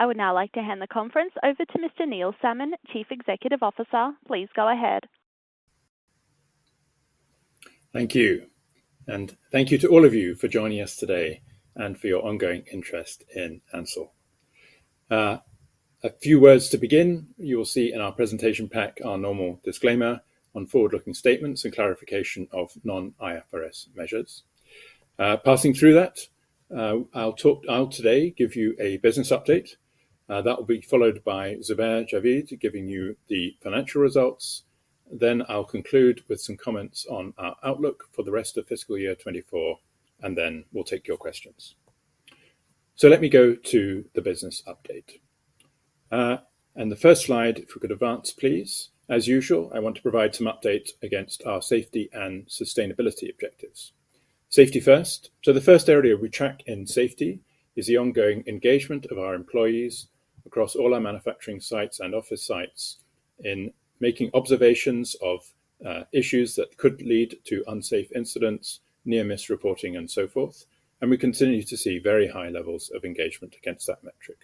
I would now like to hand the conference over to Mr. Neil Salmon, Chief Executive Officer. Please go ahead. Thank you. Thank you to all of you for joining us today and for your ongoing interest in Ansell. A few words to begin. You will see in our presentation pack our normal disclaimer on forward-looking statements and clarification of non-IFRS measures. Passing through that, I'll talk. I'll today give you a business update. That will be followed by Zubair Javeed giving you the financial results. Then I'll conclude with some comments on our outlook for the rest of fiscal year 2024, and then we'll take your questions. So let me go to the business update. The first slide, if we could advance, please. As usual, I want to provide some update against our safety and sustainability objectives. Safety first. So the first area we track in safety is the ongoing engagement of our employees across all our manufacturing sites and office sites in making observations of issues that could lead to unsafe incidents, near-miss reporting, and so forth. We continue to see very high levels of engagement against that metric.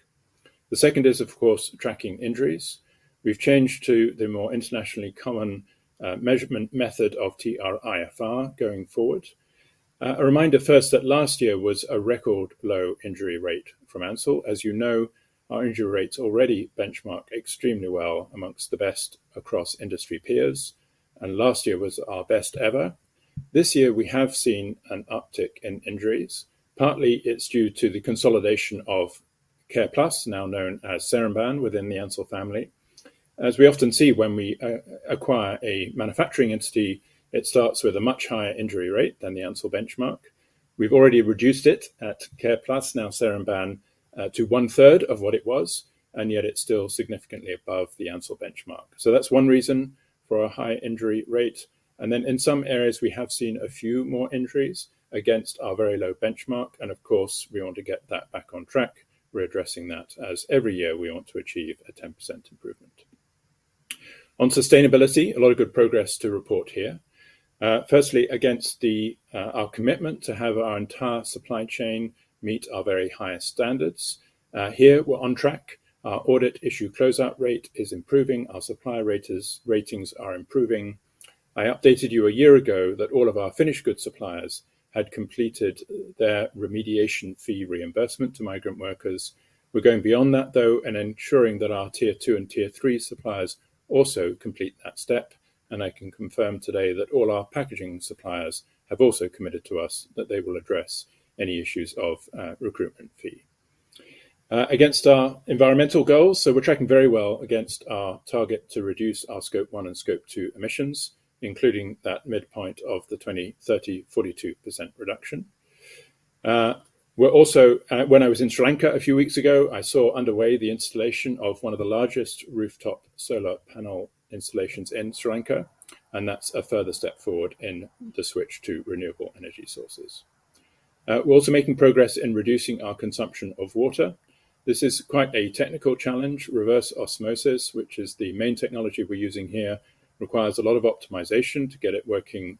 The second is, of course, tracking injuries. We've changed to the more internationally common measurement method of TRIFR going forward. A reminder first that last year was a record low injury rate from Ansell. As you know, our injury rates already benchmark extremely well among the best across industry peers, and last year was our best ever. This year we have seen an uptick in injuries. Partly it's due to the consolidation of Careplus, now known as Seremban, within the Ansell family. As we often see when we acquire a manufacturing entity, it starts with a much higher injury rate than the Ansell benchmark. We've already reduced it at Careplus, now Seremban, to one-third of what it was, and yet it's still significantly above the Ansell benchmark. So that's one reason for a high injury rate. And then in some areas we have seen a few more injuries against our very low benchmark. And of course, we want to get that back on track. We're addressing that as every year we want to achieve a 10% improvement. On sustainability, a lot of good progress to report here. Firstly, against our commitment to have our entire supply chain meet our very highest standards. Here we're on track. Our audit issue closeout rate is improving. Our supplier ratings are improving. I updated you a year ago that all of our finished goods suppliers had completed their remediation fee reimbursement to migrant workers. We're going beyond that, though, and ensuring that our tier two and tier three suppliers also complete that step. And I can confirm today that all our packaging suppliers have also committed to us that they will address any issues of recruitment fee against our environmental goals, so we're tracking very well against our target to reduce our Scope 1 and Scope 2 emissions, including that midpoint of the 2030 42% reduction. We're also, when I was in Sri Lanka a few weeks ago, I saw underway the installation of one of the largest rooftop solar panel installations in Sri Lanka, and that's a further step forward in the switch to renewable energy sources. We're also making progress in reducing our consumption of water. This is quite a technical challenge, reverse osmosis, which is the main technology we're using here, requires a lot of optimization to get it working,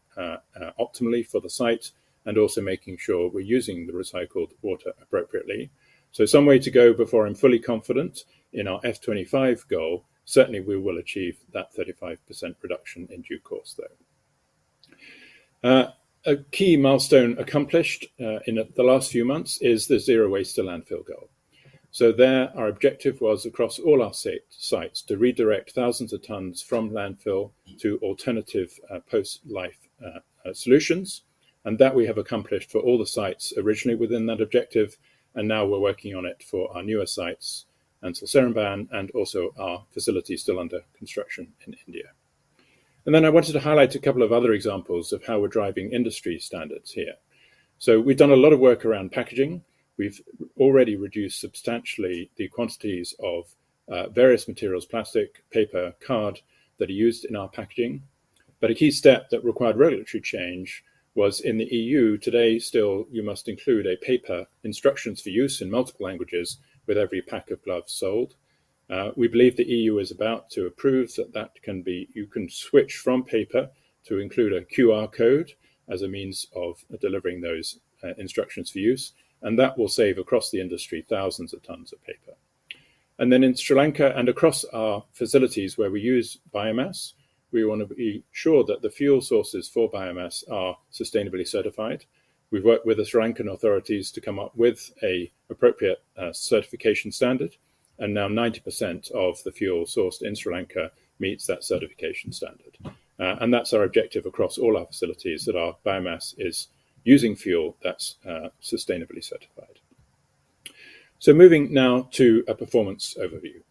optimally for the site and also making sure we're using the recycled water appropriately. So some way to go before I'm fully confident in our FY 2025 goal. Certainly we will achieve that 35% reduction in due course, though. A key milestone accomplished, in the last few months is the Zero Waste to Landfill goal. So there our objective was across all our sites to redirect thousands of tons from landfill to alternative, post-life, solutions. And that we have accomplished for all the sites originally within that objective. And now we're working on it for our newer sites, Ansell Seremban, and also our facility still under construction in India. Then I wanted to highlight a couple of other examples of how we're driving industry standards here. We've done a lot of work around packaging. We've already reduced substantially the quantities of various materials: plastic, paper, card that are used in our packaging. A key step that required regulatory change was in the EU. Today still, you must include a paper instructions for use in multiple languages with every pack of gloves sold. We believe the EU is about to approve that that can be you can switch from paper to include a QR code as a means of delivering those instructions for use. That will save across the industry thousands of tons of paper. Then in Sri Lanka and across our facilities where we use biomass, we want to be sure that the fuel sources for biomass are sustainably certified. We've worked with the Sri Lankan authorities to come up with an appropriate certification standard. And now 90% of the fuel sourced in Sri Lanka meets that certification standard. And that's our objective across all our facilities that our biomass is using fuel that's sustainably certified. So moving now to a performance overview.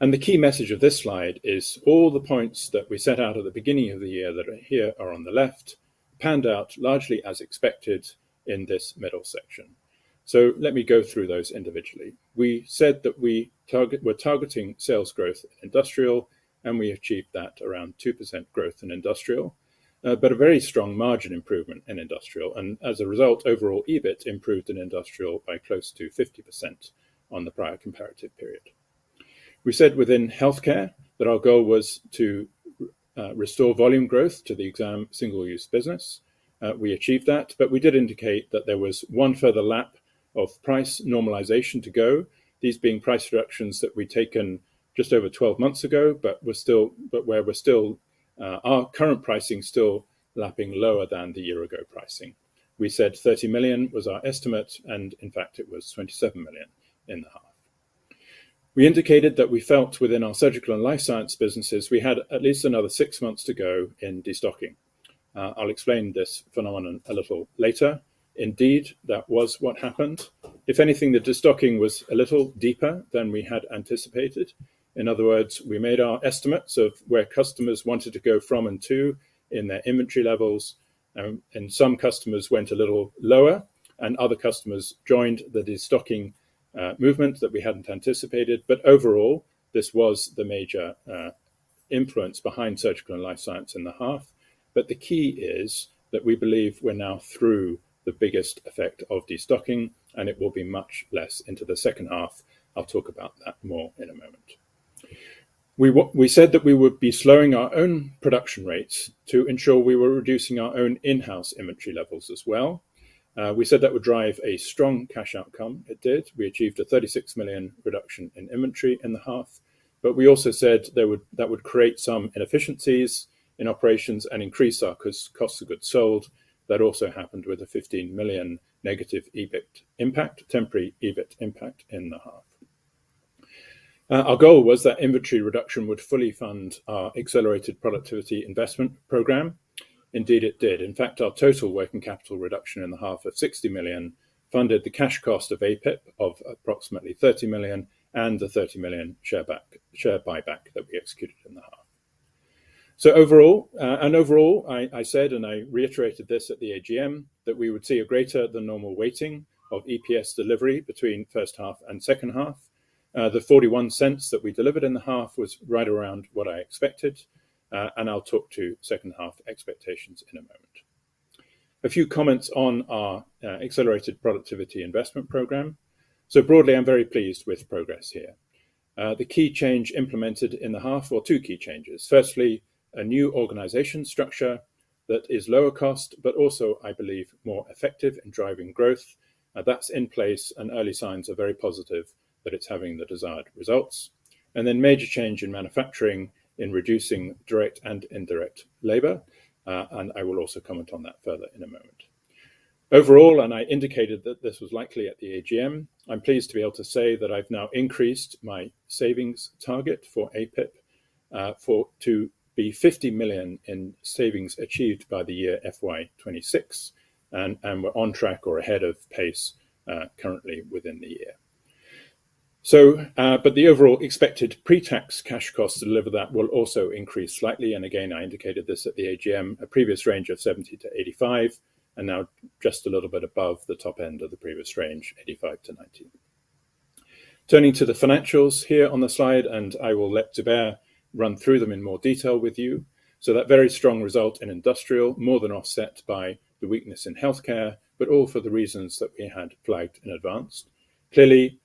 And the key message of this slide is all the points that we set out at the beginning of the year that are here are on the left, panned out largely as expected in this middle section. So let me go through those individually. We said that we target we're targeting sales growth in industrial, and we achieved that around 2% growth in industrial, but a very strong margin improvement in industrial. And as a result, overall EBIT improved in industrial by close to 50% on the prior comparative period. We said within healthcare that our goal was to restore volume growth to the exam single-use business. We achieved that, but we did indicate that there was one further lap of price normalization to go, these being price reductions that we'd taken just over 12 months ago, but we're still, our current pricing still lapping lower than the year-ago pricing. We said $30 million was our estimate, and in fact it was $27 million in the half. We indicated that we felt within our surgical and life science businesses we had at least another six months to go in destocking. I'll explain this phenomenon a little later. Indeed, that was what happened. If anything, the destocking was a little deeper than we had anticipated. In other words, we made our estimates of where customers wanted to go from and to in their inventory levels. Some customers went a little lower, and other customers joined the destocking movement that we hadn't anticipated. But overall, this was the major influence behind surgical and life science in the half. But the key is that we believe we're now through the biggest effect of destocking, and it will be much less into the second half. I'll talk about that more in a moment. We said that we would be slowing our own production rates to ensure we were reducing our own in-house inventory levels as well. We said that would drive a strong cash outcome. It did. We achieved a $36 million reduction in inventory in the half. But we also said that would create some inefficiencies in operations and increase our cost of goods sold. That also happened with a $15 million negative EBIT impact, temporary EBIT impact in the half. Our goal was that inventory reduction would fully fund our Accelerated Productivity Investment Program. Indeed, it did. In fact, our total working capital reduction in the half of $60 million funded the cash cost of APIP of approximately $30 million and the $30 million share buyback that we executed in the half. So overall, I said and I reiterated this at the AGM that we would see a greater than normal weighting of EPS delivery between first half and second half. The $0.41 that we delivered in the half was right around what I expected. And I'll talk to second half expectations in a moment. A few comments on our Accelerated Productivity Investment Program. So broadly, I'm very pleased with progress here. The key change implemented in the half, or two key changes. Firstly, a new organization structure that is lower cost, but also, I believe, more effective in driving growth. That's in place and early signs are very positive that it's having the desired results. And then major change in manufacturing in reducing direct and indirect labor. And I will also comment on that further in a moment. Overall, and I indicated that this was likely at the AGM, I'm pleased to be able to say that I've now increased my savings target for APIP, for to be $50 million in savings achieved by the year FY26. And we're on track or ahead of pace, currently within the year. So, but the overall expected pre-tax cash costs to deliver that will also increase slightly. Again, I indicated this at the AGM, a previous range of $70-$85, and now just a little bit above the top end of the previous range, 85-90. Turning to the financials here on the slide, and I will let Zubair run through them in more detail with you. So that very strong result in industrial, more than offset by the weakness in healthcare, but all for the reasons that we had flagged in advance. Clearly,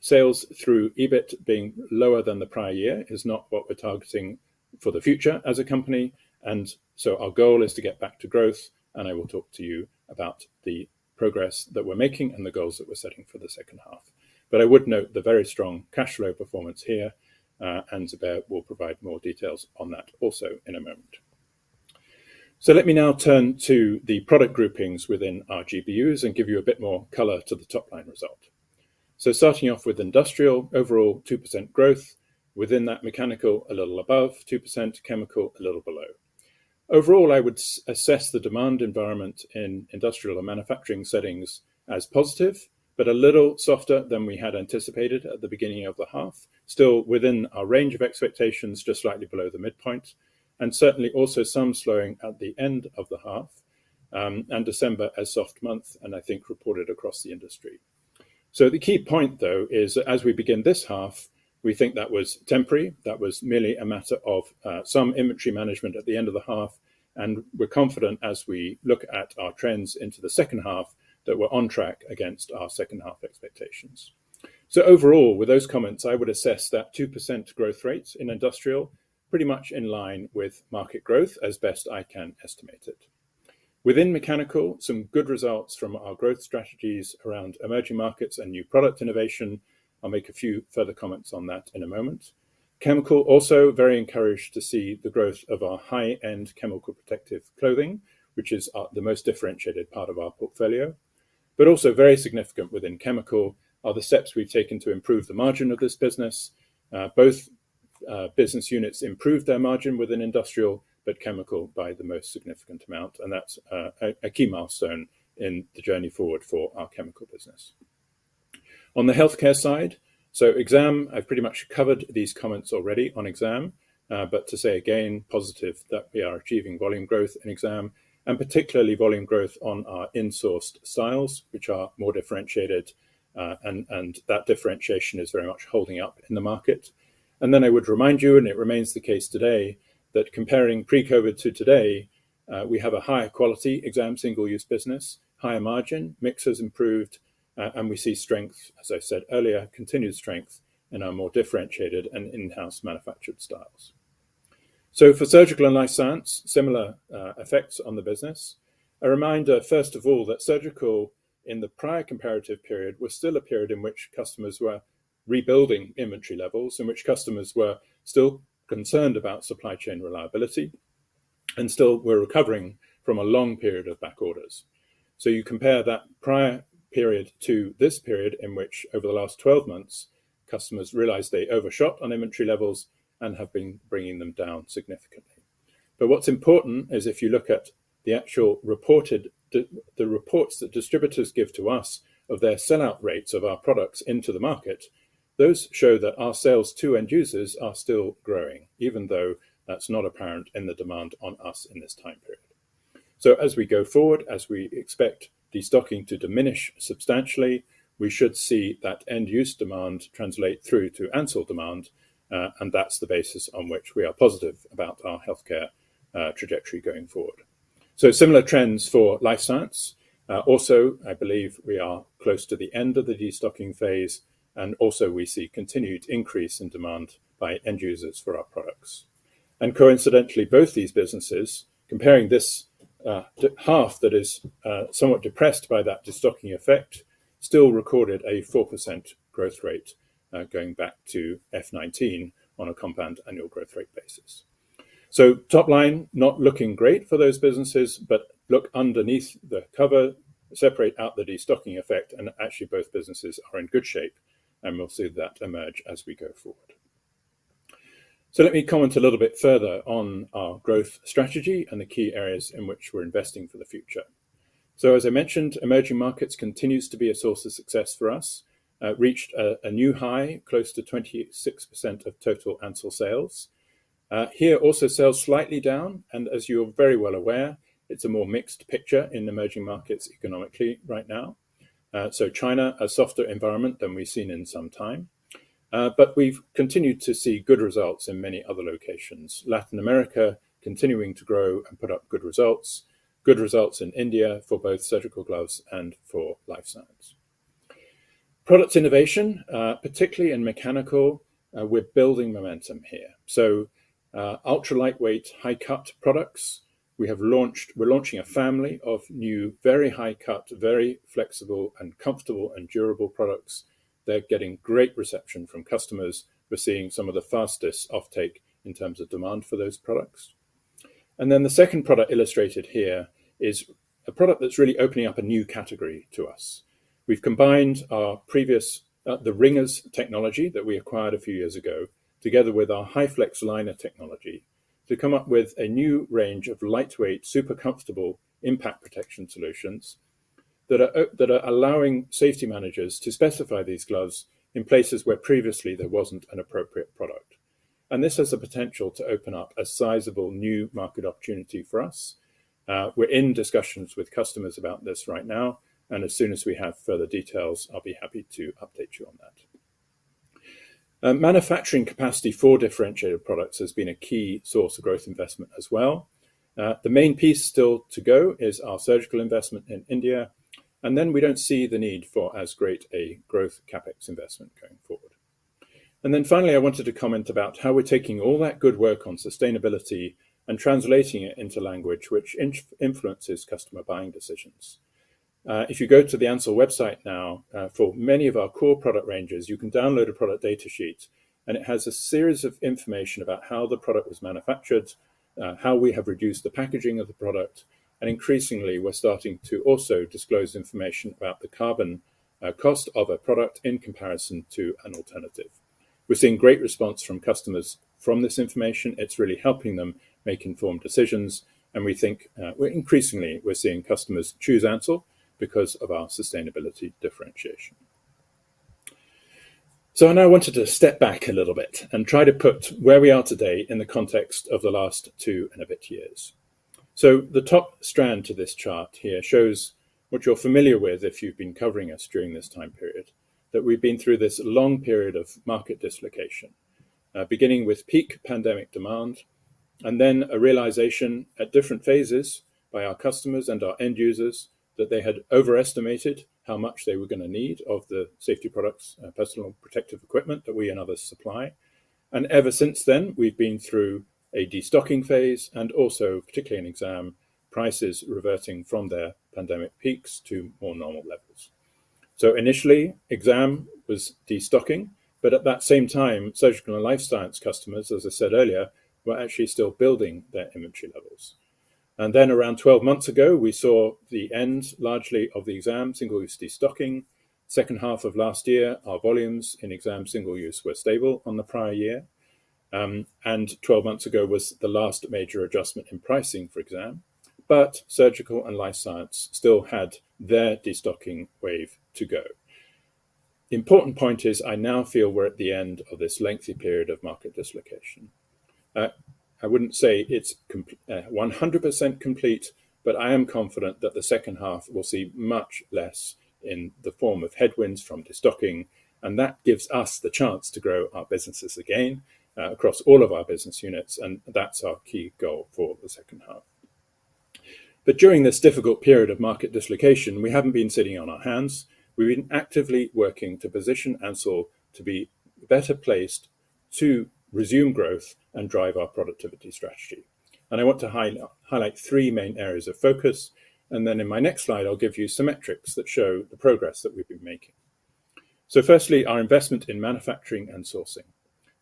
sales through EBIT being lower than the prior year is not what we're targeting for the future as a company. And so our goal is to get back to growth, and I will talk to you about the progress that we're making and the goals that we're setting for the second half. But I would note the very strong cash flow performance here, and Zubair will provide more details on that also in a moment. So let me now turn to the product groupings within our GBUs and give you a bit more color to the top-line result. So starting off with industrial, overall 2% growth. Within that mechanical, a little above 2%. Chemical, a little below. Overall, I would assess the demand environment in industrial and manufacturing settings as positive, but a little softer than we had anticipated at the beginning of the half. Still within our range of expectations, just slightly below the midpoint. And certainly also some slowing at the end of the half, and December as a soft month, and I think reported across the industry. So the key point, though, is that as we begin this half, we think that was temporary. That was merely a matter of some inventory management at the end of the half. We're confident as we look at our trends into the second half that we're on track against our second half expectations. Overall, with those comments, I would assess that 2% growth rates in industrial pretty much in line with market growth as best I can estimate it. Within mechanical, some good results from our growth strategies around emerging markets and new product innovation. I'll make a few further comments on that in a moment. Chemical, also very encouraged to see the growth of our high-end chemical protective clothing, which is the most differentiated part of our portfolio. But also very significant within chemical are the steps we've taken to improve the margin of this business. Both business units improved their margin within industrial, but chemical by the most significant amount. And that's a key milestone in the journey forward for our chemical business. On the healthcare side, so exam, I've pretty much covered these comments already on exam. But to say again, positive that we are achieving volume growth in exam, and particularly volume growth on our insourced styles, which are more differentiated. And that differentiation is very much holding up in the market. And then I would remind you, and it remains the case today, that comparing pre-COVID to today, we have a higher quality exam single-use business, higher margin, mix has improved, and we see strength, as I said earlier, continued strength in our more differentiated and in-house manufactured styles. So for surgical and life science, similar, effects on the business. A reminder, first of all, that surgical in the prior comparative period was still a period in which customers were rebuilding inventory levels, in which customers were still concerned about supply chain reliability, and still were recovering from a long period of backorders. So you compare that prior period to this period in which, over the last 12 months, customers realized they overshot on inventory levels and have been bringing them down significantly. But what's important is if you look at the actual reported reports that distributors give to us of their sellout rates of our products into the market, those show that our sales to end users are still growing, even though that's not apparent in the demand on us in this time period. So as we go forward, as we expect destocking to diminish substantially, we should see that end-use demand translate through to Ansell demand, and that's the basis on which we are positive about our healthcare trajectory going forward. So similar trends for life science. Also, I believe we are close to the end of the destocking phase, and also we see continued increase in demand by end users for our products. And coincidentally, both these businesses, comparing this, half that is, somewhat depressed by that destocking effect, still recorded a 4% growth rate, going back to F19 on a compound annual growth rate basis. So top line, not looking great for those businesses, but look underneath the cover, separate out the destocking effect, and actually both businesses are in good shape. And we'll see that emerge as we go forward. So let me comment a little bit further on our growth strategy and the key areas in which we're investing for the future. So as I mentioned, emerging markets continues to be a source of success for us, reached a new high, close to 26% of total Ansell sales. Here also sales slightly down, and as you're very well aware, it's a more mixed picture in emerging markets economically right now. So China, a softer environment than we've seen in some time. But we've continued to see good results in many other locations, Latin America continuing to grow and put up good results, good results in India for both surgical gloves and for life science. Product innovation, particularly in mechanical, we're building momentum here. So, ultra-lightweight, high-cut products, we have launched we're launching a family of new, very high-cut, very flexible, and comfortable, and durable products. They're getting great reception from customers. We're seeing some of the fastest offtake in terms of demand for those products. And then the second product illustrated here is a product that's really opening up a new category to us. We've combined our previous Ringers technology that we acquired a few years ago together with our HyFlex liner technology to come up with a new range of lightweight, super comfortable impact protection solutions that are allowing safety managers to specify these gloves in places where previously there wasn't an appropriate product. And this has the potential to open up a sizable new market opportunity for us. We're in discussions with customers about this right now, and as soon as we have further details, I'll be happy to update you on that. Manufacturing capacity for differentiated products has been a key source of growth investment as well. The main piece still to go is our surgical investment in India, and then we don't see the need for as great a growth CapEx investment going forward. Then finally, I wanted to comment about how we're taking all that good work on sustainability and translating it into language which influences customer buying decisions. If you go to the Ansell website now, for many of our core product ranges, you can download a product data sheet, and it has a series of information about how the product was manufactured, how we have reduced the packaging of the product, and increasingly, we're starting to also disclose information about the carbon, cost of a product in comparison to an alternative. We're seeing great response from customers from this information. It's really helping them make informed decisions. And we think, we're increasingly, we're seeing customers choose Ansell because of our sustainability differentiation. So I now wanted to step back a little bit and try to put where we are today in the context of the last two and a bit years. So the top strand to this chart here shows what you're familiar with if you've been covering us during this time period, that we've been through this long period of market dislocation, beginning with peak pandemic demand, and then a realization at different phases by our customers and our end users that they had overestimated how much they were going to need of the safety products, personal protective equipment that we and others supply. And ever since then, we've been through a destocking phase and also, particularly in exam, prices reverting from their pandemic peaks to more normal levels. So initially, exam was destocking, but at that same time, surgical and life science customers, as I said earlier, were actually still building their inventory levels. And then around 12 months ago, we saw the end largely of the exam single-use destocking. Second half of last year, our volumes in exam single-use were stable on the prior year. And 12 months ago was the last major adjustment in pricing for exam. But surgical and life science still had their destocking wave to go. Important point is I now feel we're at the end of this lengthy period of market dislocation. I wouldn't say it's complete 100% complete, but I am confident that the second half we'll see much less in the form of headwinds from destocking. And that gives us the chance to grow our businesses again, across all of our business units. That's our key goal for the second half. But during this difficult period of market dislocation, we haven't been sitting on our hands. We've been actively working to position Ansell to be better placed to resume growth and drive our productivity strategy. I want to highlight three main areas of focus. Then in my next slide, I'll give you some metrics that show the progress that we've been making. Firstly, our investment in manufacturing and sourcing.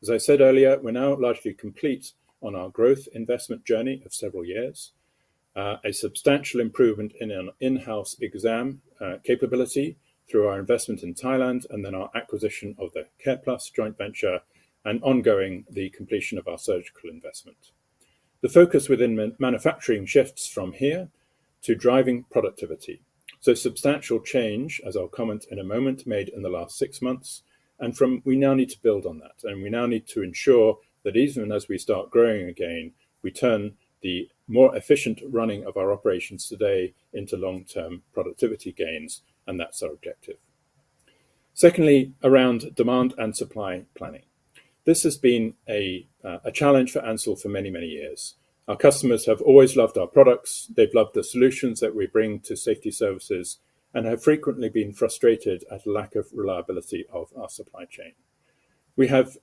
As I said earlier, we're now largely complete on our growth investment journey of several years, a substantial improvement in an in-house exam capability through our investment in Thailand, and then our acquisition of the Careplus joint venture, and ongoing the completion of our surgical investment. The focus within manufacturing shifts from here to driving productivity. So, substantial change, as I'll comment in a moment, made in the last six months. And from now we need to build on that. And we now need to ensure that even as we start growing again, we turn the more efficient running of our operations today into long-term productivity gains. And that's our objective. Secondly, around demand and supply planning. This has been a challenge for Ansell for many, many years. Our customers have always loved our products. They've loved the solutions that we bring to safety services and have frequently been frustrated at the lack of reliability of our supply chain. We have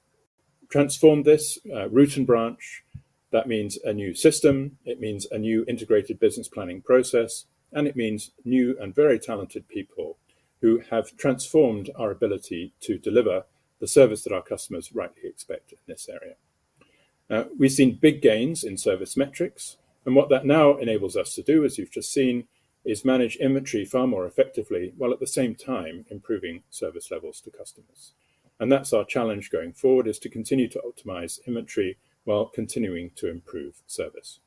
transformed this root and branch. That means a new system. It means a new integrated business planning process. And it means new and very talented people who have transformed our ability to deliver the service that our customers rightly expect in this area. We've seen big gains in service metrics. And what that now enables us to do, as you've just seen, is manage inventory far more effectively, while at the same time improving service levels to customers. And that's our challenge going forward, is to continue to optimize inventory while continuing to improve service.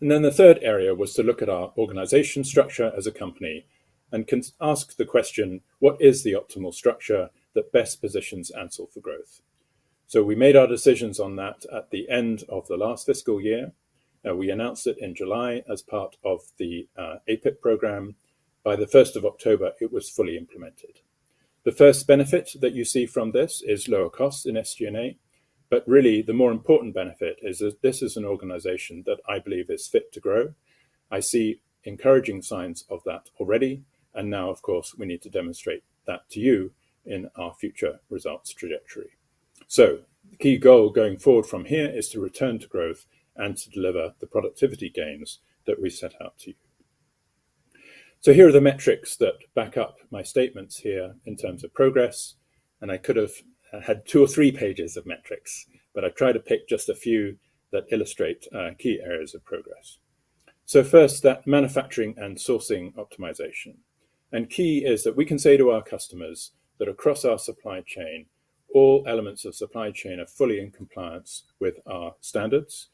And then the third area was to look at our organization structure as a company and ask the question, what is the optimal structure that best positions Ansell for growth? So we made our decisions on that at the end of the last fiscal year. We announced it in July as part of the APIP program. By the first of October, it was fully implemented. The first benefit that you see from this is lower costs in SG&A. But really, the more important benefit is that this is an organization that I believe is fit to grow. I see encouraging signs of that already. Now, of course, we need to demonstrate that to you in our future results trajectory. The key goal going forward from here is to return to growth and to deliver the productivity gains that we set out to you. Here are the metrics that back up my statements here in terms of progress. I could have had two or three pages of metrics, but I've tried to pick just a few that illustrate key areas of progress. First, that manufacturing and sourcing optimization. Key is that we can say to our customers that across our supply chain, all elements of supply chain are fully in compliance with our standards.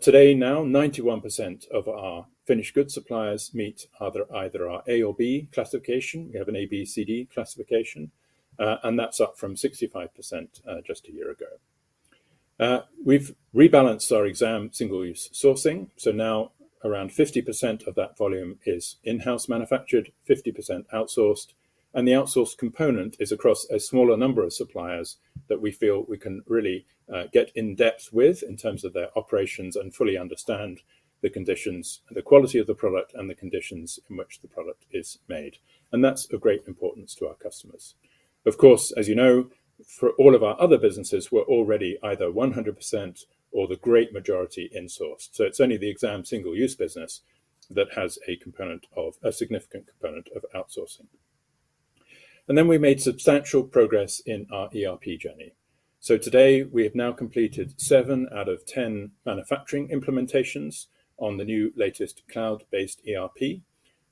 Today now, 91% of our finished goods suppliers meet either our A or B classification. We have an A, B, C, D classification. And that's up from 65% just a year ago. We've rebalanced our exam single-use sourcing. So now around 50% of that volume is in-house manufactured, 50% outsourced. And the outsourced component is across a smaller number of suppliers that we feel we can really get in depth with in terms of their operations and fully understand the conditions, the quality of the product, and the conditions in which the product is made. And that's of great importance to our customers. Of course, as you know, for all of our other businesses, we're already either 100% or the great majority insourced. So it's only the exam single-use business that has a component of a significant component of outsourcing. And then we made substantial progress in our ERP journey. So today, we have now completed 7 out of 10 manufacturing implementations on the new latest cloud-based ERP.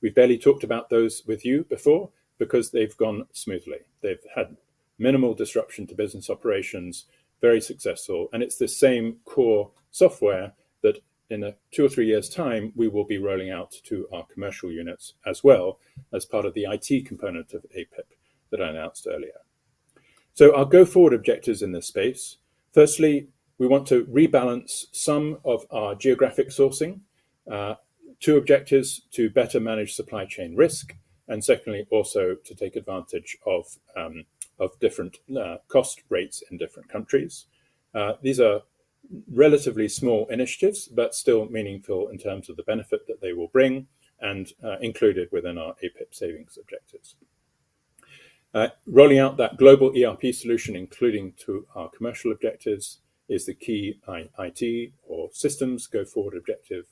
We've barely talked about those with you before because they've gone smoothly. They've had minimal disruption to business operations, very successful. And it's the same core software that in a 2 or 3 years' time, we will be rolling out to our commercial units as well as part of the IT component of APIP that I announced earlier. So our go-forward objectives in this space, firstly, we want to rebalance some of our geographic sourcing, two objectives, to better manage supply chain risk, and secondly, also to take advantage of different cost rates in different countries. These are relatively small initiatives, but still meaningful in terms of the benefit that they will bring and included within our APIP savings objectives. Rolling out that global ERP solution, including to our commercial objectives, is the key IT or systems go-forward objective.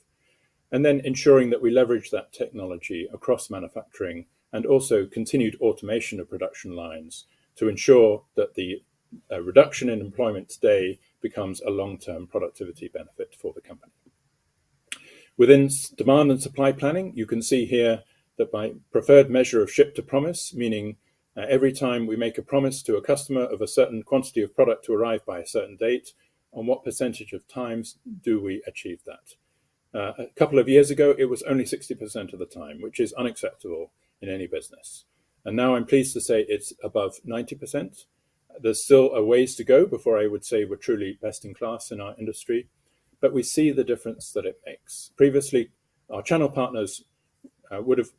And then ensuring that we leverage that technology across manufacturing and also continued automation of production lines to ensure that the reduction in employment today becomes a long-term productivity benefit for the company. Within demand and supply planning, you can see here that by preferred measure of ship to promise, meaning every time we make a promise to a customer of a certain quantity of product to arrive by a certain date, on what percentage of times do we achieve that? A couple of years ago, it was only 60% of the time, which is unacceptable in any business. And now I'm pleased to say it's above 90%. There's still a ways to go before I would say we're truly best in class in our industry. But we see the difference that it makes. Previously, our channel partners would have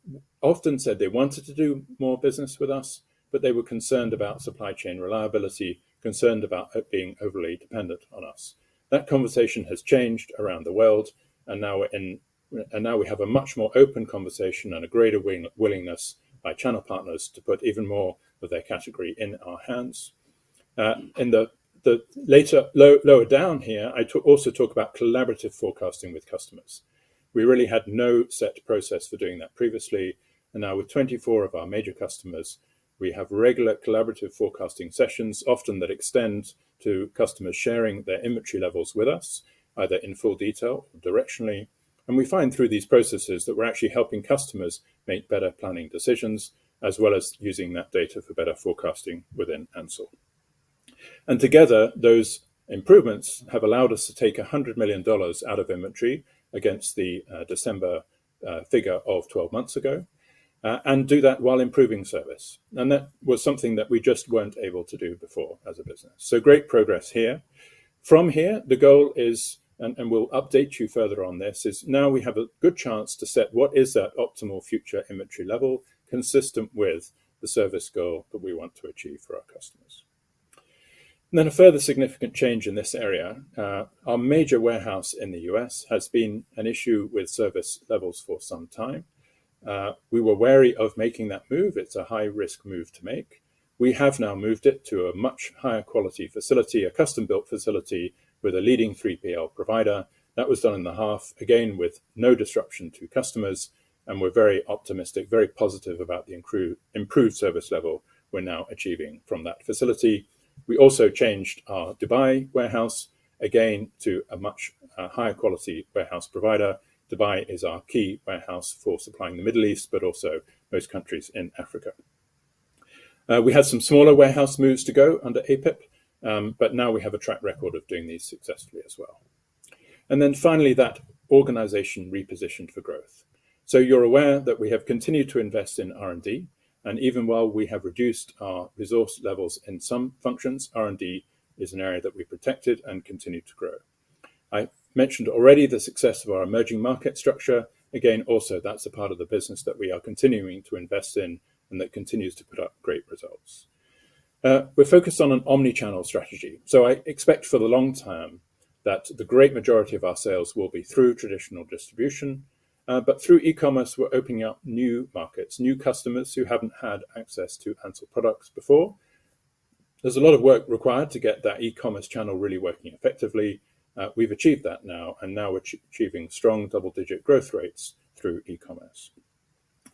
often said they wanted to do more business with us, but they were concerned about supply chain reliability, concerned about it being overly dependent on us. That conversation has changed around the world. And now we're in and now we have a much more open conversation and a greater willingness by channel partners to put even more of their category in our hands. In the later lower down here, I also talk about collaborative forecasting with customers. We really had no set process for doing that previously. And now with 24 of our major customers, we have regular collaborative forecasting sessions, often that extend to customers sharing their inventory levels with us, either in full detail or directionally. We find through these processes that we're actually helping customers make better planning decisions, as well as using that data for better forecasting within Ansell. Together, those improvements have allowed us to take $100 million out of inventory against the December figure of 12 months ago, and do that while improving service. That was something that we just weren't able to do before as a business. So great progress here. From here, the goal is, and we'll update you further on this, is now we have a good chance to set what is that optimal future inventory level consistent with the service goal that we want to achieve for our customers. Then a further significant change in this area, our major warehouse in the U.S. has been an issue with service levels for some time. We were wary of making that move. It's a high-risk move to make. We have now moved it to a much higher quality facility, a custom-built facility with a leading 3PL provider. That was done in the half, again with no disruption to customers. We're very optimistic, very positive about the improved service level we're now achieving from that facility. We also changed our Dubai warehouse, again to a much higher quality warehouse provider. Dubai is our key warehouse for supplying the Middle East, but also most countries in Africa. We had some smaller warehouse moves to go under APIP, but now we have a track record of doing these successfully as well. Then finally, that organization repositioned for growth. You're aware that we have continued to invest in R&D. Even while we have reduced our resource levels in some functions, R&D is an area that we protected and continue to grow. I mentioned already the success of our emerging market structure. Again, also, that's a part of the business that we are continuing to invest in and that continues to put up great results. We're focused on an omnichannel strategy. So I expect for the long term that the great majority of our sales will be through traditional distribution. But through e-commerce, we're opening up new markets, new customers who haven't had access to Ansell products before. There's a lot of work required to get that e-commerce channel really working effectively. We've achieved that now. And now we're achieving strong double-digit growth rates through e-commerce.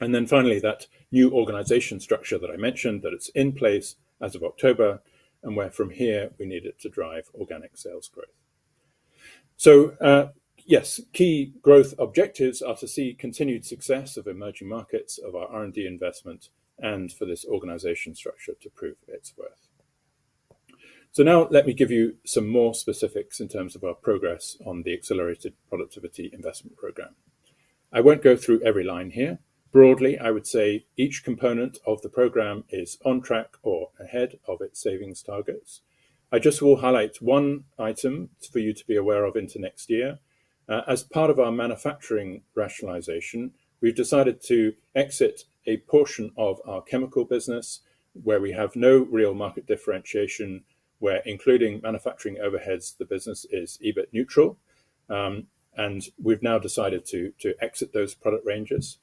And then finally, that new organization structure that I mentioned, that it's in place as of October, and where from here we need it to drive organic sales growth. So yes, key growth objectives are to see continued success of emerging markets of our R&D investment and for this organization structure to prove its worth. So now let me give you some more specifics in terms of our progress on the Accelerated Productivity Investment Program. I won't go through every line here. Broadly, I would say each component of the program is on track or ahead of its savings targets. I just will highlight one item for you to be aware of into next year. As part of our manufacturing rationalization, we've decided to exit a portion of our chemical business where we have no real market differentiation, where, including manufacturing overheads, the business is EBIT neutral. And we've now decided to exit those product ranges.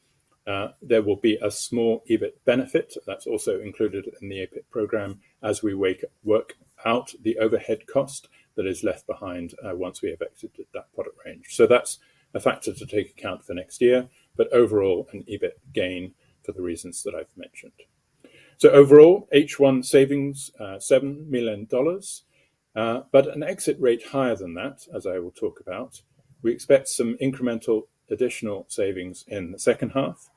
There will be a small EBIT benefit. That's also included in the APIP program as we work out the overhead cost that is left behind once we have exited that product range. So that's a factor to take account for next year, but overall an EBIT gain for the reasons that I've mentioned. So overall, H1 savings, $7 million. But an exit rate higher than that, as I will talk about. We expect some incremental additional savings in the second half.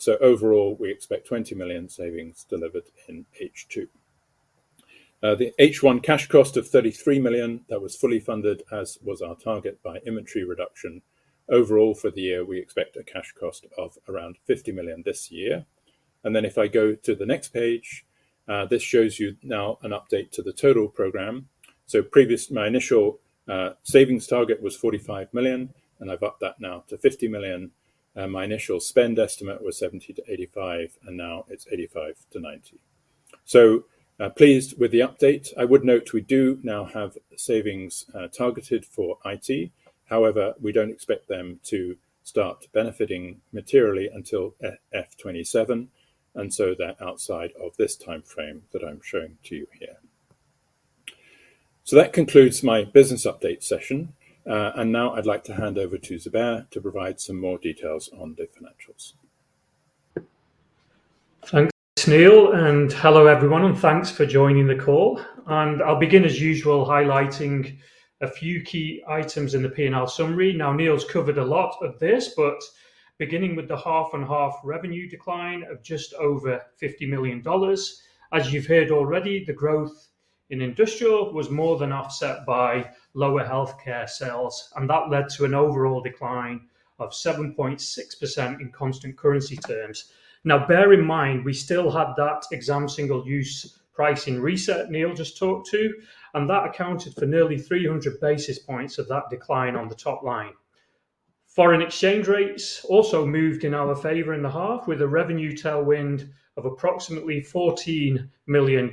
So overall, we expect $20 million savings delivered in H2. The H1 cash cost of $33 million, that was fully funded, as was our target by inventory reduction. Overall for the year, we expect a cash cost of around $50 million this year. And then if I go to the next page, this shows you now an update to the total program. Previously, my initial savings target was $45 million, and I've upped that now to $50 million. My initial spend estimate was $70-$85, and now it's $85-$90. So, pleased with the update. I would note we do now have savings targeted for IT. However, we don't expect them to start benefiting materially until FY 2027. So they're outside of this timeframe that I'm showing to you here. So that concludes my business update session. Now I'd like to hand over to Zubair to provide some more details on the financials. Thanks, Neil. Hello everyone, and thanks for joining the call. I'll begin as usual highlighting a few key items in the P&L summary. Now, Neil's covered a lot of this, but beginning with the half-and-half revenue decline of just over $50 million. As you've heard already, the growth in industrial was more than offset by lower healthcare sales. That led to an overall decline of 7.6% in constant currency terms. Now, bear in mind, we still had that exam single-use pricing reset Neil just talked to. That accounted for nearly 300 basis points of that decline on the top line. Foreign exchange rates also moved in our favor in the half with a revenue tailwind of approximately $14 million.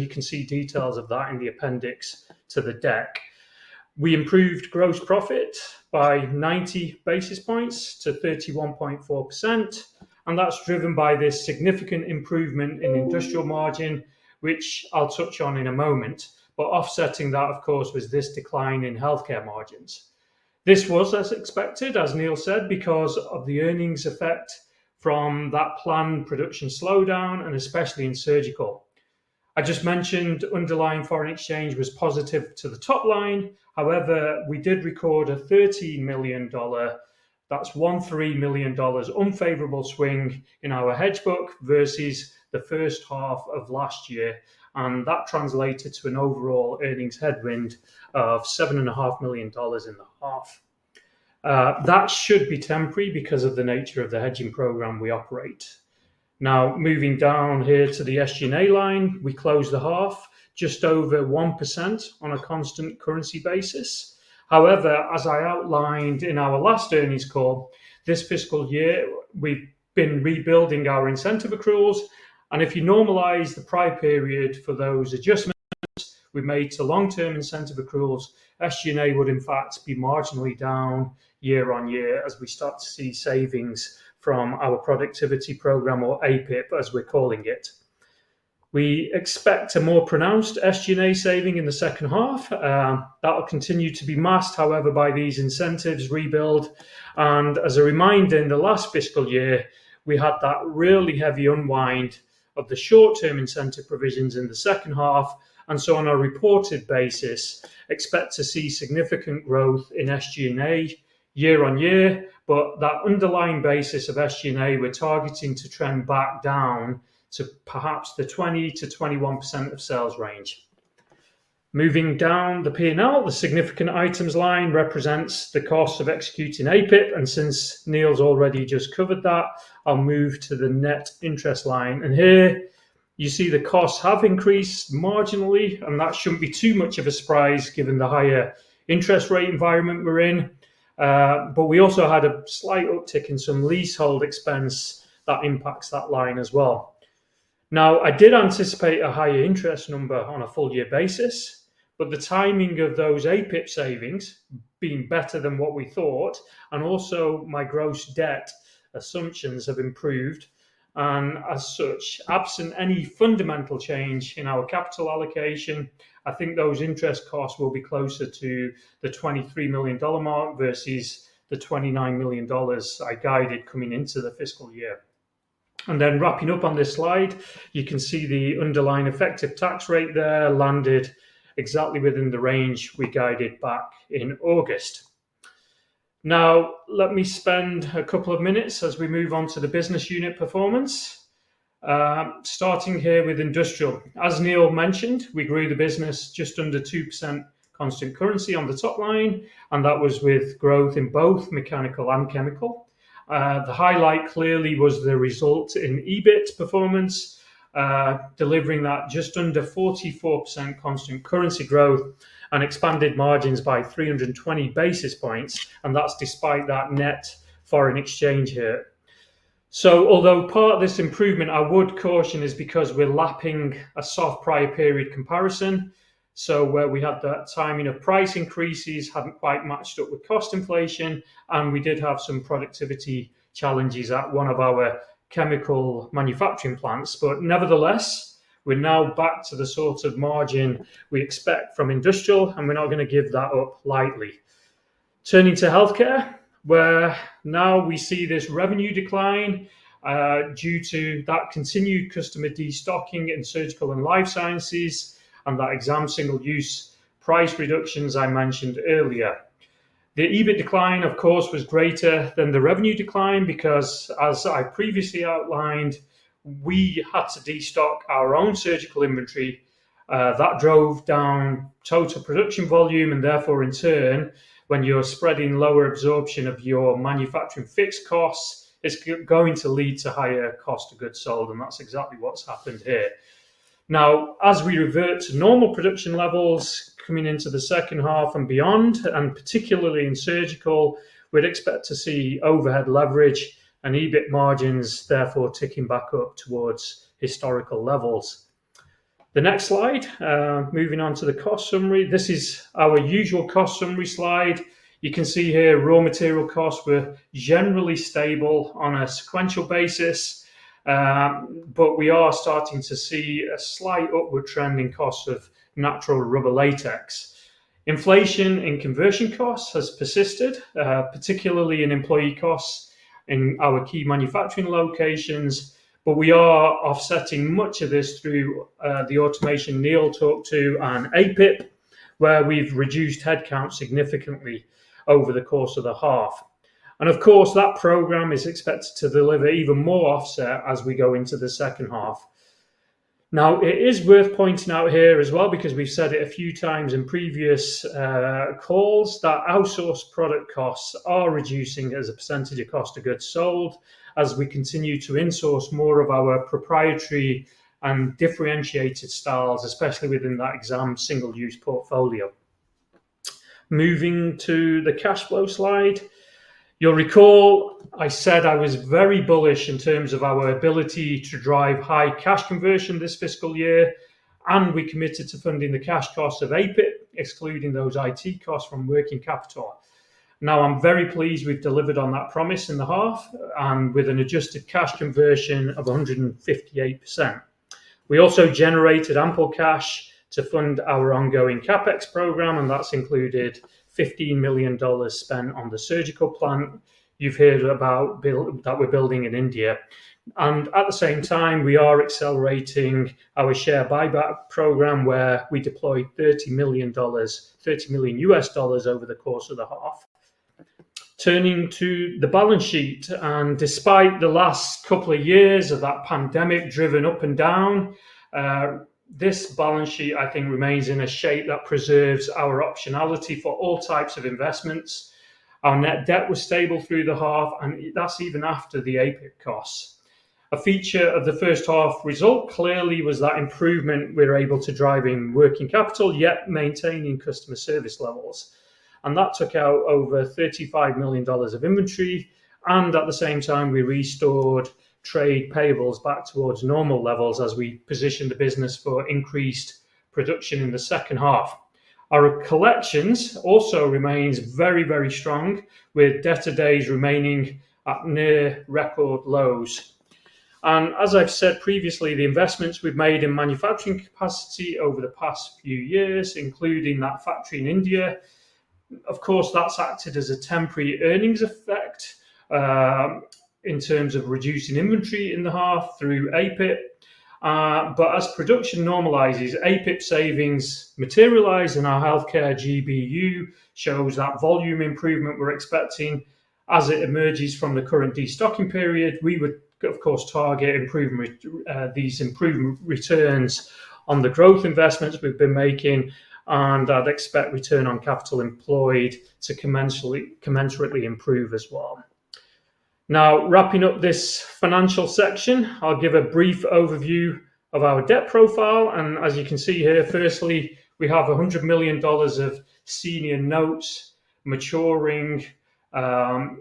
You can see details of that in the appendix to the deck. We improved gross profit by 90 basis points to 31.4%. That's driven by this significant improvement in industrial margin, which I'll touch on in a moment. But offsetting that, of course, was this decline in healthcare margins. This was as expected, as Neil said, because of the earnings effect from that planned production slowdown, and especially in surgical. I just mentioned underlying foreign exchange was positive to the top line. However, we did record a $30 million. That's $13 million unfavorable swing in our hedge book versus the first half of last year. And that translated to an overall earnings headwind of $7.5 million in the half. That should be temporary because of the nature of the hedging program we operate. Now, moving down here to the SG&A line, we closed the half just over 1% on a constant currency basis. However, as I outlined in our last earnings call, this fiscal year, we've been rebuilding our incentive accruals. If you normalize the prior period for those adjustments we made to long-term incentive accruals, SG&A would in fact be marginally down year-on-year as we start to see savings from our productivity program, or APIP, as we're calling it. We expect a more pronounced SG&A saving in the second half. That will continue to be masked, however, by these incentives rebuild. As a reminder, in the last fiscal year, we had that really heavy unwind of the short-term incentive provisions in the second half. So on a reported basis, expect to see significant growth in SG&A year-on-year. That underlying basis of SG&A, we're targeting to trend back down to perhaps the 20%-21% of sales range. Moving down the P&L, the significant items line represents the cost of executing APIP. And since Neil's already just covered that, I'll move to the net interest line. Here, you see the costs have increased marginally. That shouldn't be too much of a surprise given the higher interest rate environment we're in. But we also had a slight uptick in some leasehold expense that impacts that line as well. Now, I did anticipate a higher interest number on a full-year basis. But the timing of those APIP savings being better than what we thought, and also my gross debt assumptions have improved. As such, absent any fundamental change in our capital allocation, I think those interest costs will be closer to the $23 million mark versus the $29 million I guided coming into the fiscal year. And then wrapping up on this slide, you can see the underlying effective tax rate there landed exactly within the range we guided back in August. Now, let me spend a couple of minutes as we move on to the business unit performance. Starting here with industrial. As Neil mentioned, we grew the business just under 2% constant currency on the top line. And that was with growth in both mechanical and chemical. The highlight clearly was the result in EBIT performance, delivering that just under 44% constant currency growth and expanded margins by 320 basis points. And that's despite that net foreign exchange here. So although part of this improvement, I would caution is because we're lapping a soft prior period comparison. So where we had that timing of price increases hadn't quite matched up with cost inflation. We did have some productivity challenges at one of our chemical manufacturing plants. Nevertheless, we're now back to the sort of margin we expect from industrial. We're not going to give that up lightly. Turning to healthcare, where now we see this revenue decline due to that continued customer destocking in surgical and life sciences and that exam single-use price reductions I mentioned earlier. The EBIT decline, of course, was greater than the revenue decline because, as I previously outlined, we had to destock our own surgical inventory. That drove down total production volume. Therefore, in turn, when you're spreading lower absorption of your manufacturing fixed costs, it's going to lead to higher cost of goods sold. That's exactly what's happened here. Now, as we revert to normal production levels coming into the second half and beyond, and particularly in surgical, we'd expect to see overhead leverage and EBIT margins, therefore, ticking back up towards historical levels. The next slide, moving on to the cost summary. This is our usual cost summary slide. You can see here, raw material costs were generally stable on a sequential basis. But we are starting to see a slight upward trend in costs of natural rubber latex. Inflation in conversion costs has persisted, particularly in employee costs in our key manufacturing locations. But we are offsetting much of this through the automation Neil talked to and APIP, where we've reduced headcount significantly over the course of the half. Of course, that program is expected to deliver even more offset as we go into the second half. Now, it is worth pointing out here as well, because we've said it a few times in previous calls, that outsourced product costs are reducing as a percentage of cost of goods sold as we continue to insource more of our proprietary and differentiated styles, especially within that exam single-use portfolio. Moving to the cash flow slide. You'll recall I said I was very bullish in terms of our ability to drive high cash conversion this fiscal year. We committed to funding the cash costs of APIP, excluding those IT costs from working capital. Now, I'm very pleased we've delivered on that promise in the half and with an adjusted cash conversion of 158%. We also generated ample cash to fund our ongoing CapEx program. That's included $15 million spent on the surgical plant you've heard about that we're building in India. At the same time, we are accelerating our share buyback program, where we deployed $30 million over the course of the half. Turning to the balance sheet. Despite the last couple of years of that pandemic driven up and down, this balance sheet, I think, remains in a shape that preserves our optionality for all types of investments. Our net debt was stable through the half. That's even after the APIP costs. A feature of the first half result clearly was that improvement we were able to drive in working capital, yet maintaining customer service levels. That took out over $35 million of inventory. At the same time, we restored trade payables back towards normal levels as we positioned the business for increased production in the second half. Our collections also remain very, very strong, with debtor days remaining at near record lows. As I've said previously, the investments we've made in manufacturing capacity over the past few years, including that factory in India, of course, that's acted as a temporary earnings effect in terms of reducing inventory in the half through APIP. But as production normalizes, APIP savings materialize in our healthcare GBU, shows that volume improvement we're expecting. As it emerges from the current destocking period, we would, of course, target these improvement returns on the growth investments we've been making. And I'd expect return on capital employed to commensurately improve as well. Now, wrapping up this financial section, I'll give a brief overview of our debt profile. As you can see here, firstly, we have $100 million of senior notes maturing. In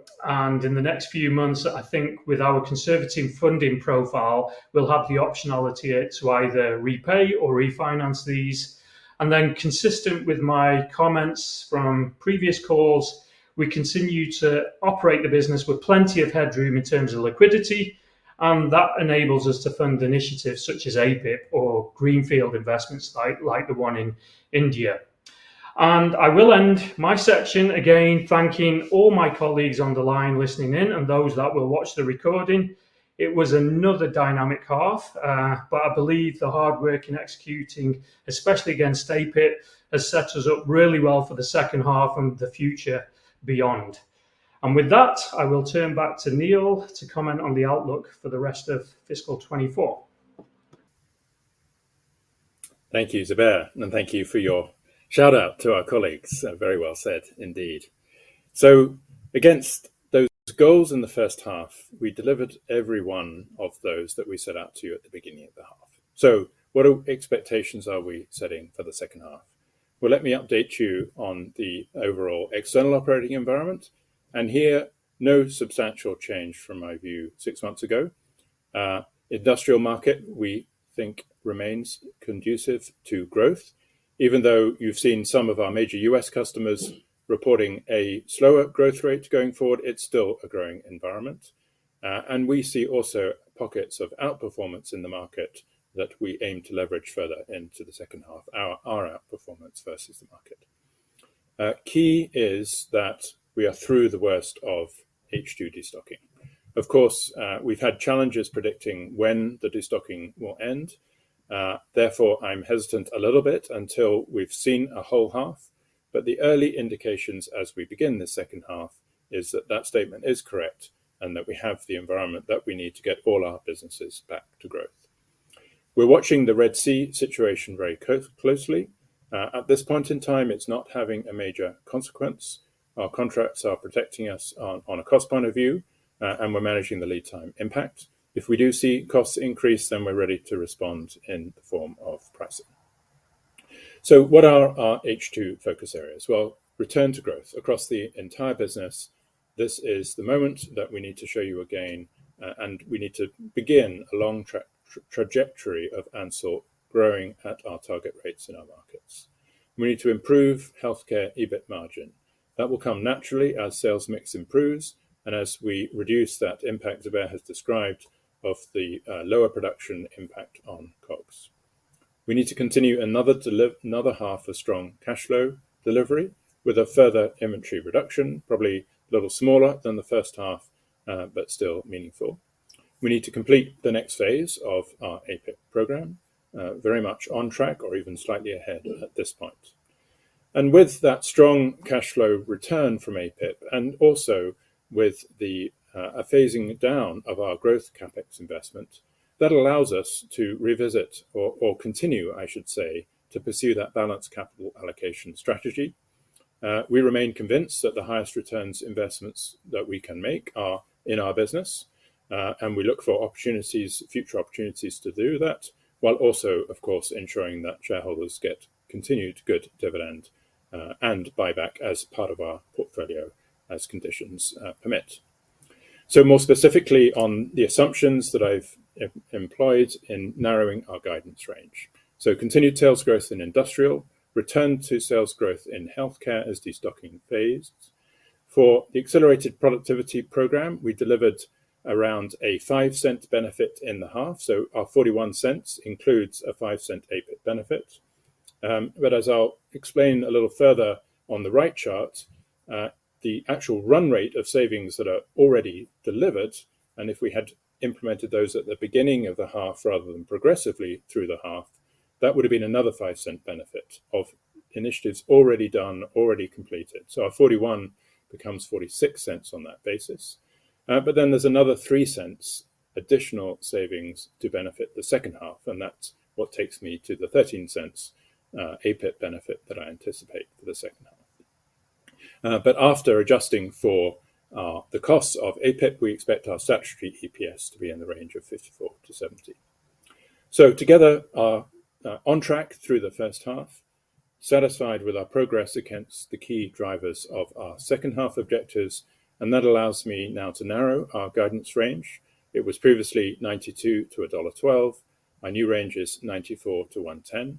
the next few months, I think with our conservative funding profile, we'll have the optionality to either repay or refinance these. Then consistent with my comments from previous calls, we continue to operate the business with plenty of headroom in terms of liquidity. That enables us to fund initiatives such as APIP or greenfield investments like the one in India. I will end my section again thanking all my colleagues on the line listening in and those that will watch the recording. It was another dynamic half. But I believe the hard work in executing, especially against APIP, has set us up really well for the second half and the future beyond. With that, I will turn back to Neil to comment on the outlook for the rest of fiscal 2024. Thank you, Zubair. And thank you for your shout-out to our colleagues. Very well said, indeed. So against those goals in the first half, we delivered every one of those that we set out to you at the beginning of the half. So what expectations are we setting for the second half? Well, let me update you on the overall external operating environment. And here, no substantial change from my view six months ago. Industrial market, we think, remains conducive to growth. Even though you've seen some of our major U.S. customers reporting a slower growth rate going forward, it's still a growing environment. And we see also pockets of outperformance in the market that we aim to leverage further into the second half, our outperformance versus the market. Key is that we are through the worst of H2 destocking. Of course, we've had challenges predicting when the destocking will end. Therefore, I'm hesitant a little bit until we've seen a whole half. But the early indications as we begin this second half is that that statement is correct and that we have the environment that we need to get all our businesses back to growth. We're watching the Red Sea situation very closely. At this point in time, it's not having a major consequence. Our contracts are protecting us on a cost point of view. And we're managing the lead time impact. If we do see costs increase, then we're ready to respond in the form of pricing. So what are our H2 focus areas? Well, return to growth. Across the entire business, this is the moment that we need to show you a gain. We need to begin a long trajectory of Ansell growing at our target rates in our markets. We need to improve healthcare EBIT margin. That will come naturally as sales mix improves and as we reduce that impact, Zubair has described, of the lower production impact on COGS. We need to continue another half of strong cash flow delivery with a further inventory reduction, probably a little smaller than the first half, but still meaningful. We need to complete the next phase of our APIP program, very much on track or even slightly ahead at this point. With that strong cash flow return from APIP and also with a phasing down of our growth CapEx investment, that allows us to revisit or continue, I should say, to pursue that balanced capital allocation strategy. We remain convinced that the highest returns investments that we can make are in our business. We look for future opportunities to do that, while also, of course, ensuring that shareholders get continued good dividend and buyback as part of our portfolio as conditions permit. More specifically on the assumptions that I've employed in narrowing our guidance range. Continued sales growth in Industrial, return to sales growth in Healthcare as destocking phased. For the accelerated productivity program, we delivered around a $0.05 benefit in the half. Our $0.41 includes a $0.05 APIP benefit. But as I'll explain a little further on the right chart, the actual run rate of savings that are already delivered, and if we had implemented those at the beginning of the half rather than progressively through the half, that would have been another $0.05 benefit of initiatives already done, already completed. So our $0.41 becomes $0.46 on that basis. But then there's another $0.03 additional savings to benefit the second half. And that's what takes me to the $0.13 APIP benefit that I anticipate for the second half. But after adjusting for the costs of APIP, we expect our statutory EPS to be in the range of $0.54-$0.70. So together, on track through the first half, satisfied with our progress against the key drivers of our second half objectives. And that allows me now to narrow our guidance range. It was previously $0.92-$1.12. My new range is $0.94-$1.10.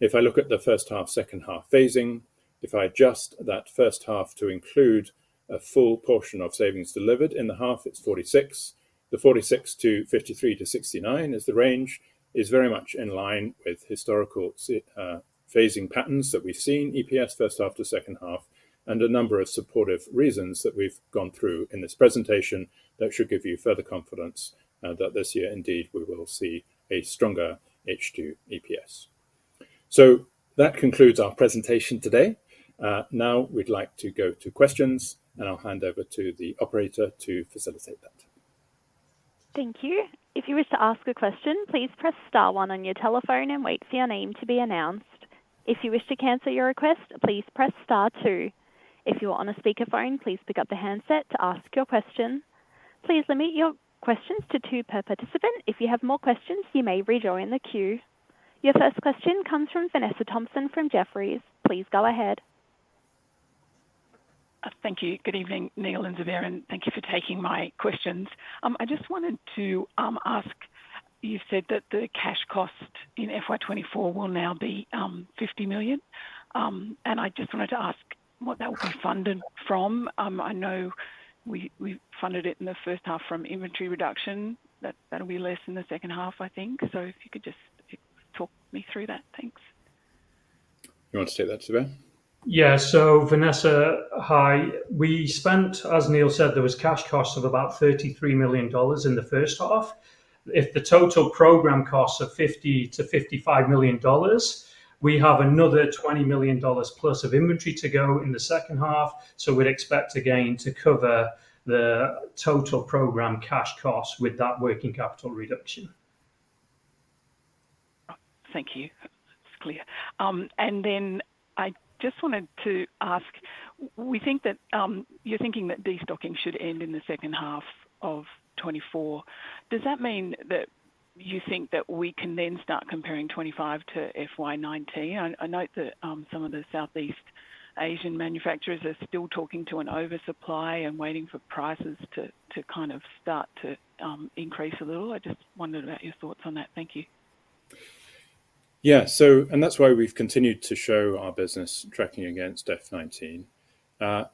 If I look at the first half, second half phasing, if I adjust that first half to include a full portion of savings delivered in the half, it's $0.46. The $0.46 to $0.53 to $0.69 is the range is very much in line with historical phasing patterns that we've seen, EPS first half to second half, and a number of supportive reasons that we've gone through in this presentation that should give you further confidence that this year, indeed, we will see a stronger H2 EPS. So that concludes our presentation today. Now we'd like to go to questions. I'll hand over to the operator to facilitate that. Thank you. If you wish to ask a question, please press star one on your telephone and wait for your name to be announced. If you wish to cancel your request, please press star two. If you are on a speakerphone, please pick up the handset to ask your question. Please limit your questions to two per participant. If you have more questions, you may rejoin the queue. Your first question comes from Vanessa Thomson from Jefferies. Please go ahead. Thank you. Good evening, Neil and Zubair. Thank you for taking my questions. I just wanted to ask, you've said that the cash cost in FY 2024 will now be $50 million. I just wanted to ask what that will be funded from. I know we funded it in the first half from inventory reduction. That'll be less in the second half, I think. If you could just talk me through that. Thanks. You want to say that, Zubair? Yeah. So Vanessa, hi. We spent, as Neil said, there was cash costs of about $33 million in the first half. If the total program costs are $50 million-$55 million, we have another $20 million plus of inventory to go in the second half. So we'd expect, again, to cover the total program cash costs with that working capital reduction. Thank you. That's clear. And then I just wanted to ask, we think that you're thinking that destocking should end in the second half of 2024. Does that mean that you think that we can then start comparing 2025 to FY 2019? I note that some of the Southeast Asian manufacturers are still talking to an oversupply and waiting for prices to kind of start to increase a little. I just wondered about your thoughts on that. Thank you. Yeah. And that's why we've continued to show our business tracking against FY 2019.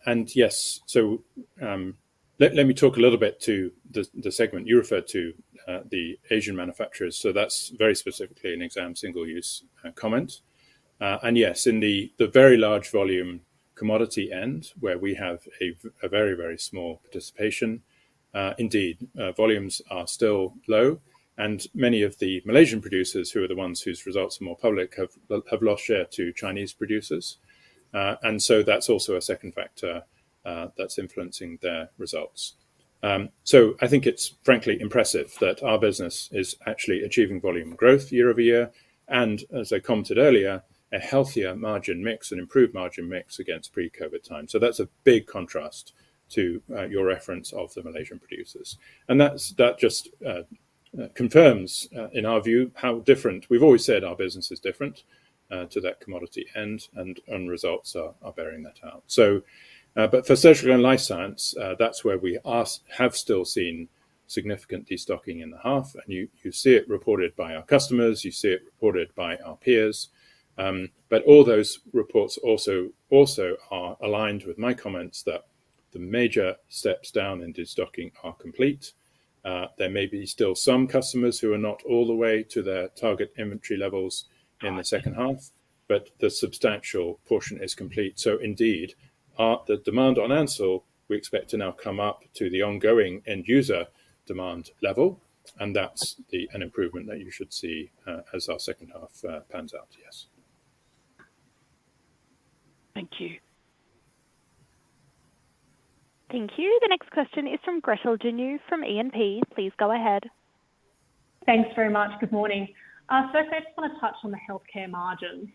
And yes, so let me talk a little bit to the segment. You referred to the Asian manufacturers. So that's very specifically an exam single-use comment. And yes, in the very large volume commodity end, where we have a very, very small participation, indeed, volumes are still low. And many of the Malaysian producers, who are the ones whose results are more public, have lost share to Chinese producers. And so that's also a second factor that's influencing their results. So I think it's, frankly, impressive that our business is actually achieving volume growth year-over-year. And as I commented earlier, a healthier margin mix, an improved margin mix against pre-COVID times. So that's a big contrast to your reference of the Malaysian producers. That just confirms, in our view, how different we've always said our business is different to that commodity end. Results are bearing that out. For surgical and life science, that's where we have still seen significant destocking in the half. You see it reported by our customers. You see it reported by our peers. All those reports also are aligned with my comments that the major steps down in destocking are complete. There may be still some customers who are not all the way to their target inventory levels in the second half. The substantial portion is complete. Indeed, the demand on Ansell we expect to now come up to the ongoing end-user demand level. That's an improvement that you should see as our second half pans out, yes. Thank you. Thank you. The next question is from Gretel Janu from E&P. Please go ahead. Thanks very much. Good morning. So first, I just want to touch on the healthcare margins.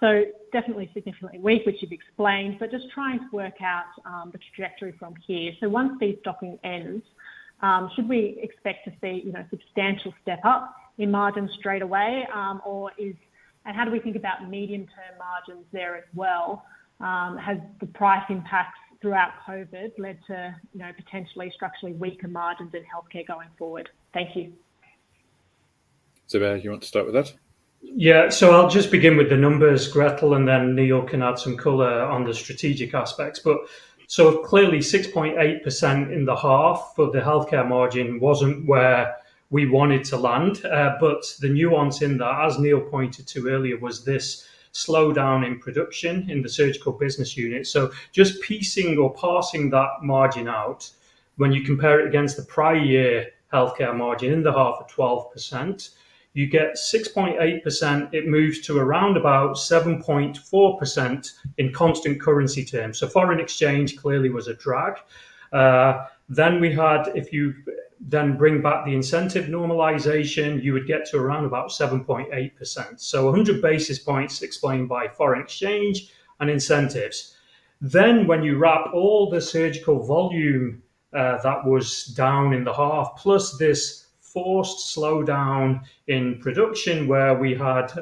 So definitely significantly weak, which you've explained. But just trying to work out the trajectory from here. So once destocking ends, should we expect to see a substantial step up in margins straight away? And how do we think about medium-term margins there as well? Have the price impacts throughout COVID led to potentially structurally weaker margins in healthcare going forward? Thank you. Zubair, do you want to start with that? Yeah. So I'll just begin with the numbers, Gretel. Then Neil can add some color on the strategic aspects. But so clearly, 6.8% in the half for the healthcare margin wasn't where we wanted to land. But the nuance in that, as Neil pointed to earlier, was this slowdown in production in the surgical business unit. So just piecing or parsing that margin out, when you compare it against the prior year healthcare margin in the half of 12%, you get 6.8%. It moves to around about 7.4% in constant currency terms. So foreign exchange clearly was a drag. Then we had, if you then bring back the incentive normalization, you would get to around about 7.8%. So 100 basis points explained by foreign exchange and incentives. Then when you wrap all the surgical volume that was down in the half, plus this forced slowdown in production where we had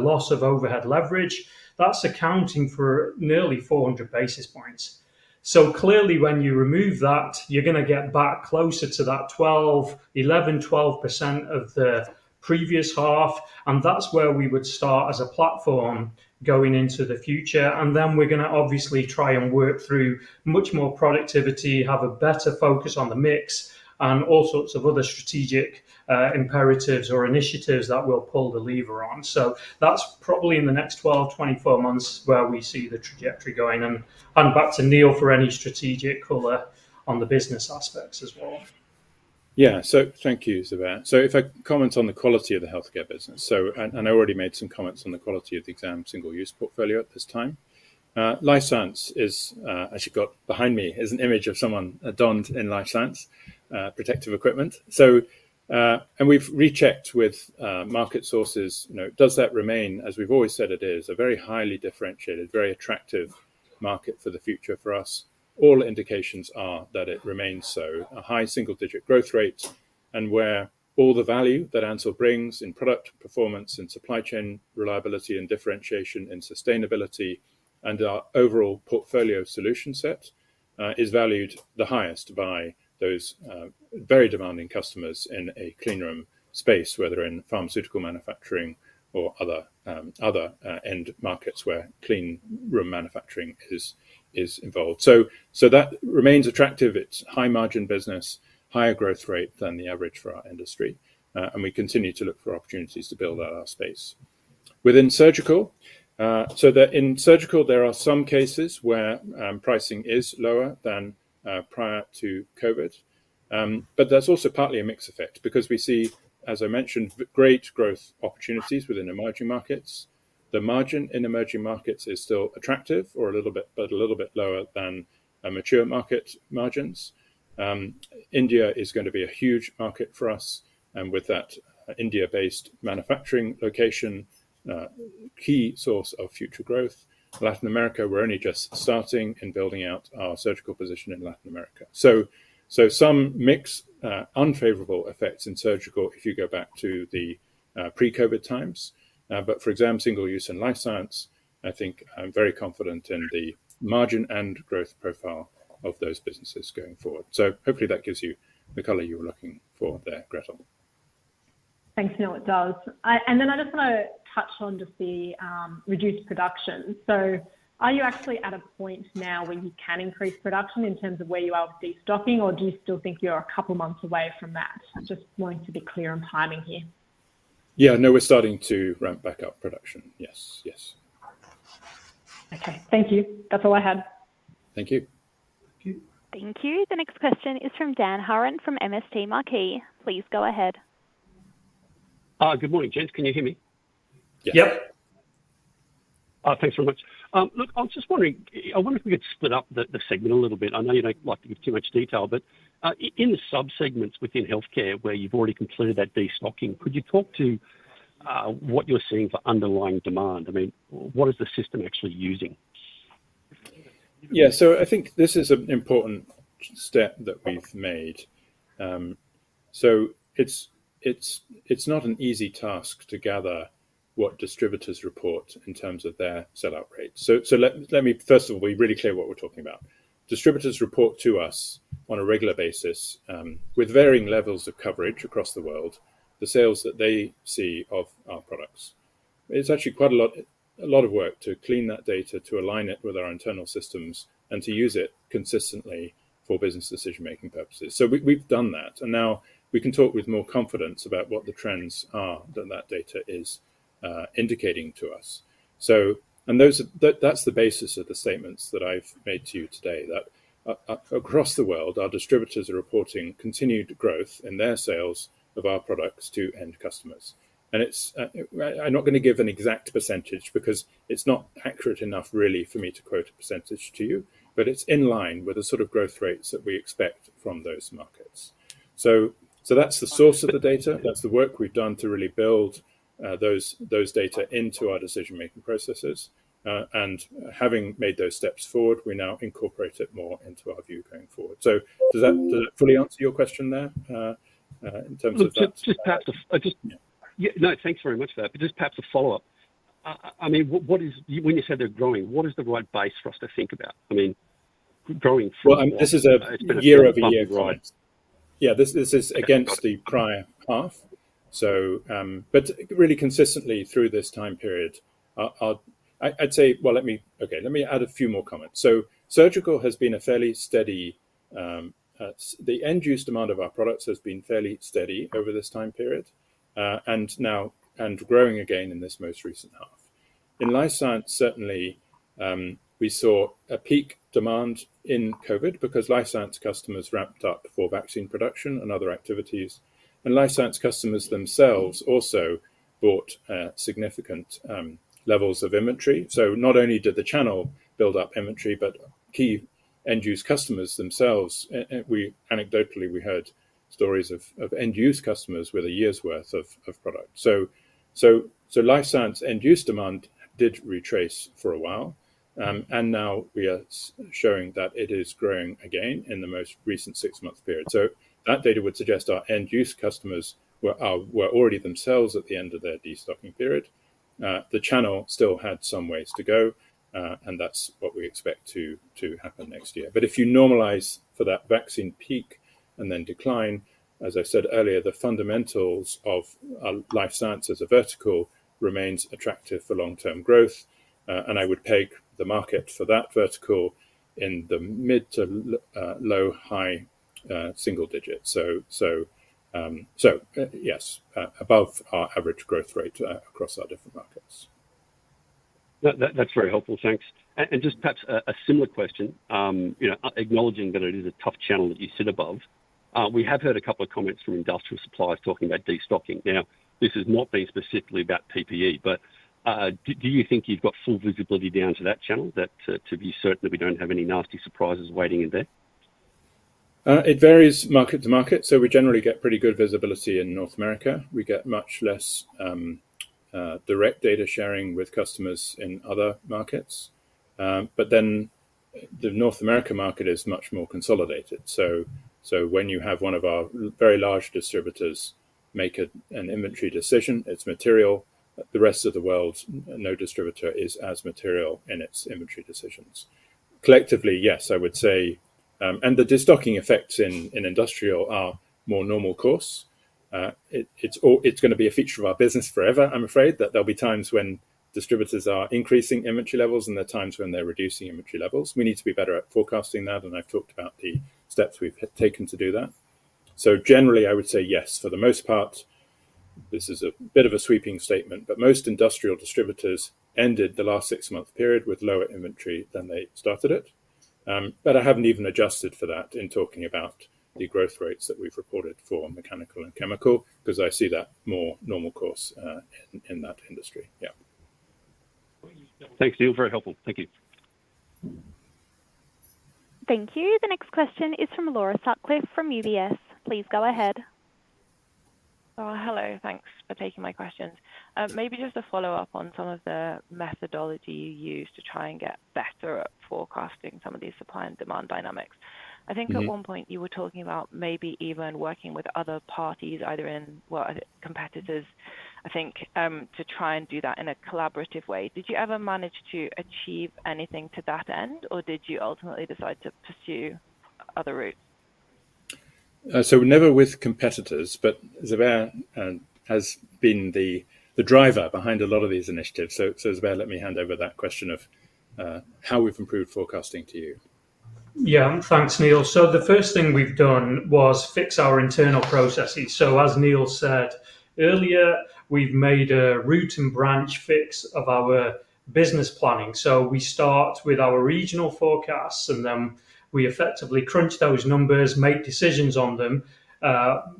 loss of overhead leverage, that's accounting for nearly 400 basis points. So clearly, when you remove that, you're going to get back closer to that 11%, 12% of the previous half. And that's where we would start as a platform going into the future. And then we're going to obviously try and work through much more productivity, have a better focus on the mix, and all sorts of other strategic imperatives or initiatives that will pull the lever on. So that's probably in the next 12-24 months where we see the trajectory going. And back to Neil for any strategic color on the business aspects as well. Yeah. So thank you, Zubair. So if I comment on the quality of the healthcare business, and I already made some comments on the quality of the exam single-use portfolio at this time, life science is, as you've got behind me, is an image of someone donned in life science protective equipment. And we've rechecked with market sources. Does that remain, as we've always said it is, a very highly differentiated, very attractive market for the future for us? All indications are that it remains so, a high single-digit growth rate, and where all the value that Ansell brings in product performance, in supply chain reliability, in differentiation, in sustainability, and our overall portfolio solution set is valued the highest by those very demanding customers in a cleanroom space, whether in pharmaceutical manufacturing or other end markets where cleanroom manufacturing is involved. So that remains attractive. It's high margin business, higher growth rate than the average for our industry. We continue to look for opportunities to build out our space. Within surgical, so in surgical, there are some cases where pricing is lower than prior to COVID. But that's also partly a mix effect because we see, as I mentioned, great growth opportunities within emerging markets. The margin in emerging markets is still attractive but a little bit lower than mature market margins. India is going to be a huge market for us. And with that India-based manufacturing location, key source of future growth, Latin America, we're only just starting in building out our surgical position in Latin America. So some mixed unfavorable effects in surgical if you go back to the pre-COVID times. But for exam single-use and life science, I think I'm very confident in the margin and growth profile of those businesses going forward. So hopefully that gives you the color you were looking for there, Gretel. Thanks, Neil. It does. And then I just want to touch on just the reduced production. So are you actually at a point now where you can increase production in terms of where you are with destocking? Or do you still think you're a couple of months away from that? Just wanting to be clear on timing here. Yeah. No, we're starting to ramp back up production. Yes. Yes. OK. Thank you. That's all I had. Thank you. Thank you. The next question is from Dan Hurren from MST Marquee. Please go ahead. Good morning, gents. Can you hear me? Yep. Thanks very much. Look, I was just wondering, I wonder if we could split up the segment a little bit. I know you don't like to give too much detail. But in the subsegments within healthcare where you've already completed that destocking, could you talk to what you're seeing for underlying demand? I mean, what is the system actually using? Yeah. So I think this is an important step that we've made. So it's not an easy task to gather what distributors report in terms of their sell-out rates. So let me, first of all, be really clear what we're talking about. Distributors report to us on a regular basis, with varying levels of coverage across the world, the sales that they see of our products. It's actually quite a lot of work to clean that data, to align it with our internal systems, and to use it consistently for business decision-making purposes. So we've done that. And now we can talk with more confidence about what the trends are that that data is indicating to us. And that's the basis of the statements that I've made to you today, that across the world, our distributors are reporting continued growth in their sales of our products to end customers. I'm not going to give an exact percentage because it's not accurate enough, really, for me to quote a percentage to you. It's in line with the sort of growth rates that we expect from those markets. That's the source of the data. That's the work we've done to really build those data into our decision-making processes. Having made those steps forward, we now incorporate it more into our view going forward. Does that fully answer your question there in terms of that? Just perhaps, no. Thanks very much for that. But just perhaps a follow-up. I mean, when you said they're growing, what is the right base for us to think about? I mean, growing from what? Well, this is a year-over-year growth. Yeah, this is against the prior half. But really consistently through this time period, I'd say, well, let me OK, let me add a few more comments. So surgical has been a fairly steady the end-use demand of our products has been fairly steady over this time period and growing again in this most recent half. In life science, certainly, we saw a peak demand in COVID because life science customers ramped up for vaccine production and other activities. And life science customers themselves also bought significant levels of inventory. So not only did the channel build up inventory, but key end-use customers themselves anecdotally, we heard stories of end-use customers with a year's worth of product. So life science end-use demand did retrace for a while. And now we are showing that it is growing again in the most recent six-month period. So that data would suggest our end-use customers were already themselves at the end of their destocking period. The channel still had some ways to go. And that's what we expect to happen next year. But if you normalise for that vaccine peak and then decline, as I said earlier, the fundamentals of life science as a vertical remains attractive for long-term growth. And I would peg the market for that vertical in the mid- to low-, high single digit. So yes, above our average growth rate across our different markets. That's very helpful. Thanks. And just perhaps a similar question, acknowledging that it is a tough channel that you sit above, we have heard a couple of comments from industrial suppliers talking about destocking. Now, this has not been specifically about PPE. But do you think you've got full visibility down to that channel, to be certain that we don't have any nasty surprises waiting in there? It varies market to market. So we generally get pretty good visibility in North America. We get much less direct data sharing with customers in other markets. But then the North America market is much more consolidated. So when you have one of our very large distributors make an inventory decision, it's material. The rest of the world, no distributor, is as material in its inventory decisions. Collectively, yes, I would say, and the destocking effects in industrial are more normal course. It's going to be a feature of our business forever, I'm afraid, that there'll be times when distributors are increasing inventory levels and there are times when they're reducing inventory levels. We need to be better at forecasting that. And I've talked about the steps we've taken to do that. So generally, I would say yes, for the most part. This is a bit of a sweeping statement. But most industrial distributors ended the last six-month period with lower inventory than they started it. But I haven't even adjusted for that in talking about the growth rates that we've reported for mechanical and chemical because I see that more normal course in that industry. Yeah. Thanks, Neil. Very helpful. Thank you. Thank you. The next question is from Laura Sutcliffe from UBS. Please go ahead. Hello. Thanks for taking my questions. Maybe just a follow-up on some of the methodology you use to try and get better at forecasting some of these supply and demand dynamics. I think at one point, you were talking about maybe even working with other parties, either in competitors, I think, to try and do that in a collaborative way. Did you ever manage to achieve anything to that end? Or did you ultimately decide to pursue other routes? So never with competitors. But Zubair has been the driver behind a lot of these initiatives. So Zubair, let me hand over that question of how we've improved forecasting to you. Yeah. Thanks, Neil. So the first thing we've done was fix our internal processes. So as Neil said earlier, we've made a root and branch fix of our business planning. So we start with our regional forecasts. And then we effectively crunch those numbers, make decisions on them,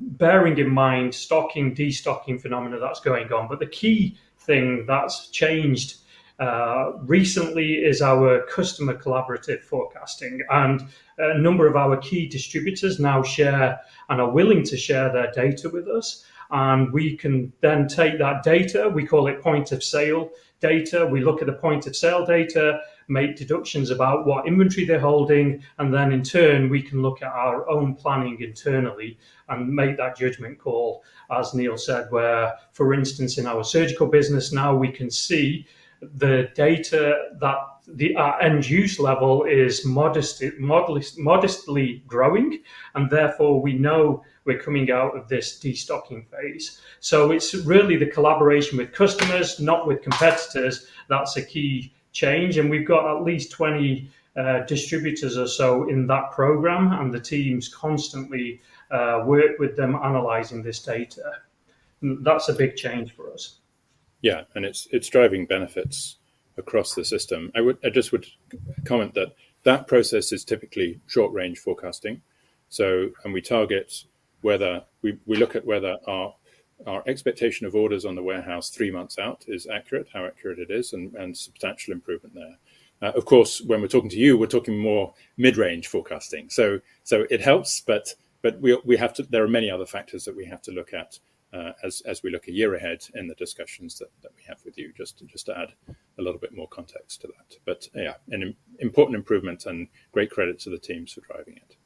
bearing in mind stocking, destocking phenomena that's going on. But the key thing that's changed recently is our customer collaborative forecasting. And a number of our key distributors now share and are willing to share their data with us. And we can then take that data. We call it point-of-sale data. We look at the point-of-sale data, make deductions about what inventory they're holding. And then in turn, we can look at our own planning internally and make that judgment call, as Neil said, where, for instance, in our surgical business, now we can see the data, that our end-use level is modestly growing. And therefore, we know we're coming out of this destocking phase. So it's really the collaboration with customers, not with competitors. That's a key change. And we've got at least 20 distributors or so in that program. And the teams constantly work with them, analyzing this data. That's a big change for us. Yeah. It's driving benefits across the system. I just would comment that that process is typically short-range forecasting. We look at whether our expectation of orders on the warehouse 3 months out is accurate, how accurate it is, and substantial improvement there. Of course, when we're talking to you, we're talking more mid-range forecasting. It helps. But there are many other factors that we have to look at as we look 1 year ahead in the discussions that we have with you, just to add a little bit more context to that. But yeah, an important improvement. Great credit to the teams for driving it.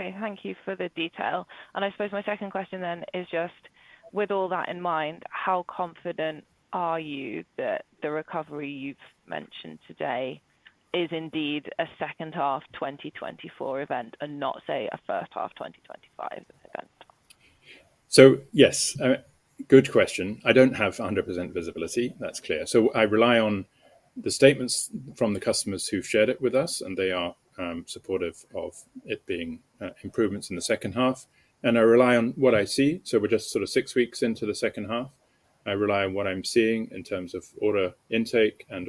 OK. Thank you for the detail. And I suppose my second question then is just, with all that in mind, how confident are you that the recovery you've mentioned today is indeed a second half 2024 event and not, say, a first half 2025 event? So yes. Good question. I don't have 100% visibility. That's clear. So I rely on the statements from the customers who've shared it with us. And they are supportive of it being improvements in the second half. And I rely on what I see. So we're just sort of six weeks into the second half. I rely on what I'm seeing in terms of order intake and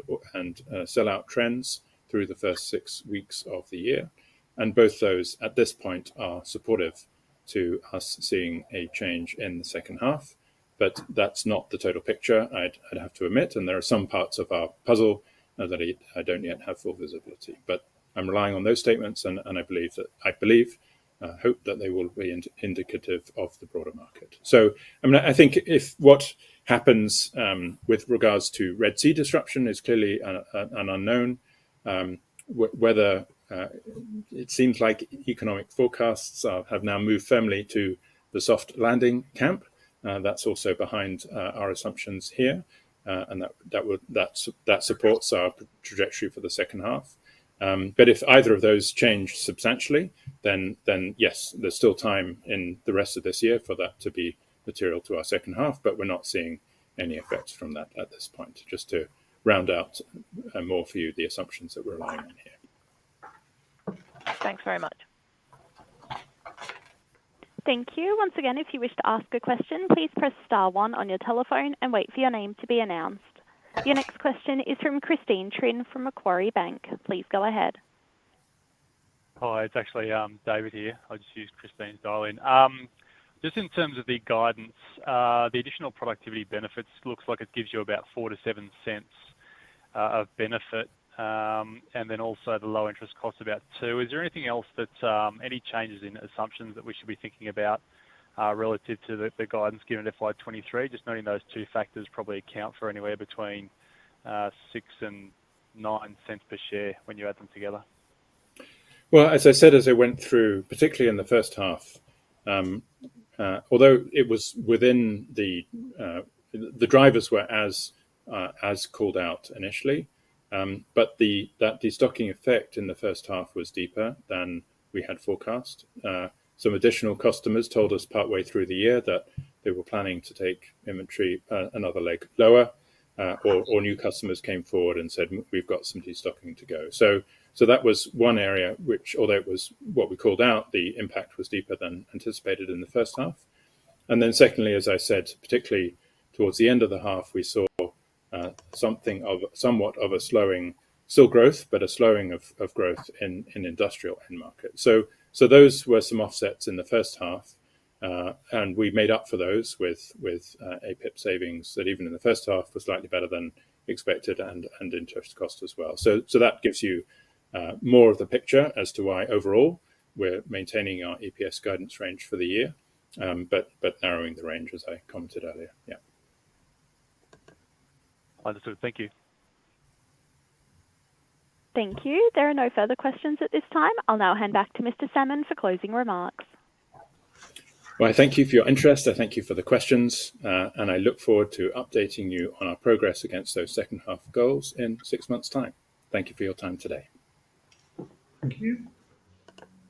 sell-out trends through the first six weeks of the year. And both those, at this point, are supportive to us seeing a change in the second half. But that's not the total picture, I'd have to admit. And there are some parts of our puzzle that I don't yet have full visibility. But I'm relying on those statements. And I believe, I hope, that they will be indicative of the broader market. I think what happens with regards to Red Sea disruption is clearly an unknown. It seems like economic forecasts have now moved firmly to the soft landing camp. That's also behind our assumptions here. That supports our trajectory for the second half. If either of those change substantially, then yes, there's still time in the rest of this year for that to be material to our second half. We're not seeing any effects from that at this point, just to round out more for you the assumptions that we're relying on here. Thanks very much. Thank you. Once again, if you wish to ask a question, please press star one on your telephone and wait for your name to be announced. Your next question is from Christine Trinh from Macquarie Bank. Please go ahead. Hi. It's actually David here. I'll just use Christine's dial-in. Just in terms of the guidance, the additional productivity benefits looks like it gives you about $0.04-$0.07 of benefit. And then also the low interest cost, about $0.02. Is there anything else, any changes in assumptions that we should be thinking about relative to the guidance given at FY 2023? Just noting those two factors probably account for anywhere between $0.06 and $0.09 per share when you add them together. Well, as I said, as I went through, particularly in the first half, although it was within the drivers were as called out initially. But that destocking effect in the first half was deeper than we had forecast. Some additional customers told us partway through the year that they were planning to take inventory another leg lower. Or new customers came forward and said, we've got some destocking to go. So that was one area which, although it was what we called out, the impact was deeper than anticipated in the first half. And then secondly, as I said, particularly towards the end of the half, we saw something of somewhat of a slowing still growth, but a slowing of growth in industrial end markets. So those were some offsets in the first half. We made up for those with APIP savings that even in the first half were slightly better than expected and interest cost as well. That gives you more of the picture as to why, overall, we're maintaining our EPS guidance range for the year, but narrowing the range, as I commented earlier. Yeah. Understood. Thank you. Thank you. There are no further questions at this time. I'll now hand back to Mr. Salmon for closing remarks. Well, I thank you for your interest. I thank you for the questions. I look forward to updating you on our progress against those second-half goals in six months' time. Thank you for your time today. Thank you.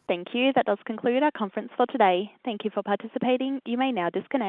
Thank you. That does conclude our conference for today. Thank you for participating. You may now disconnect.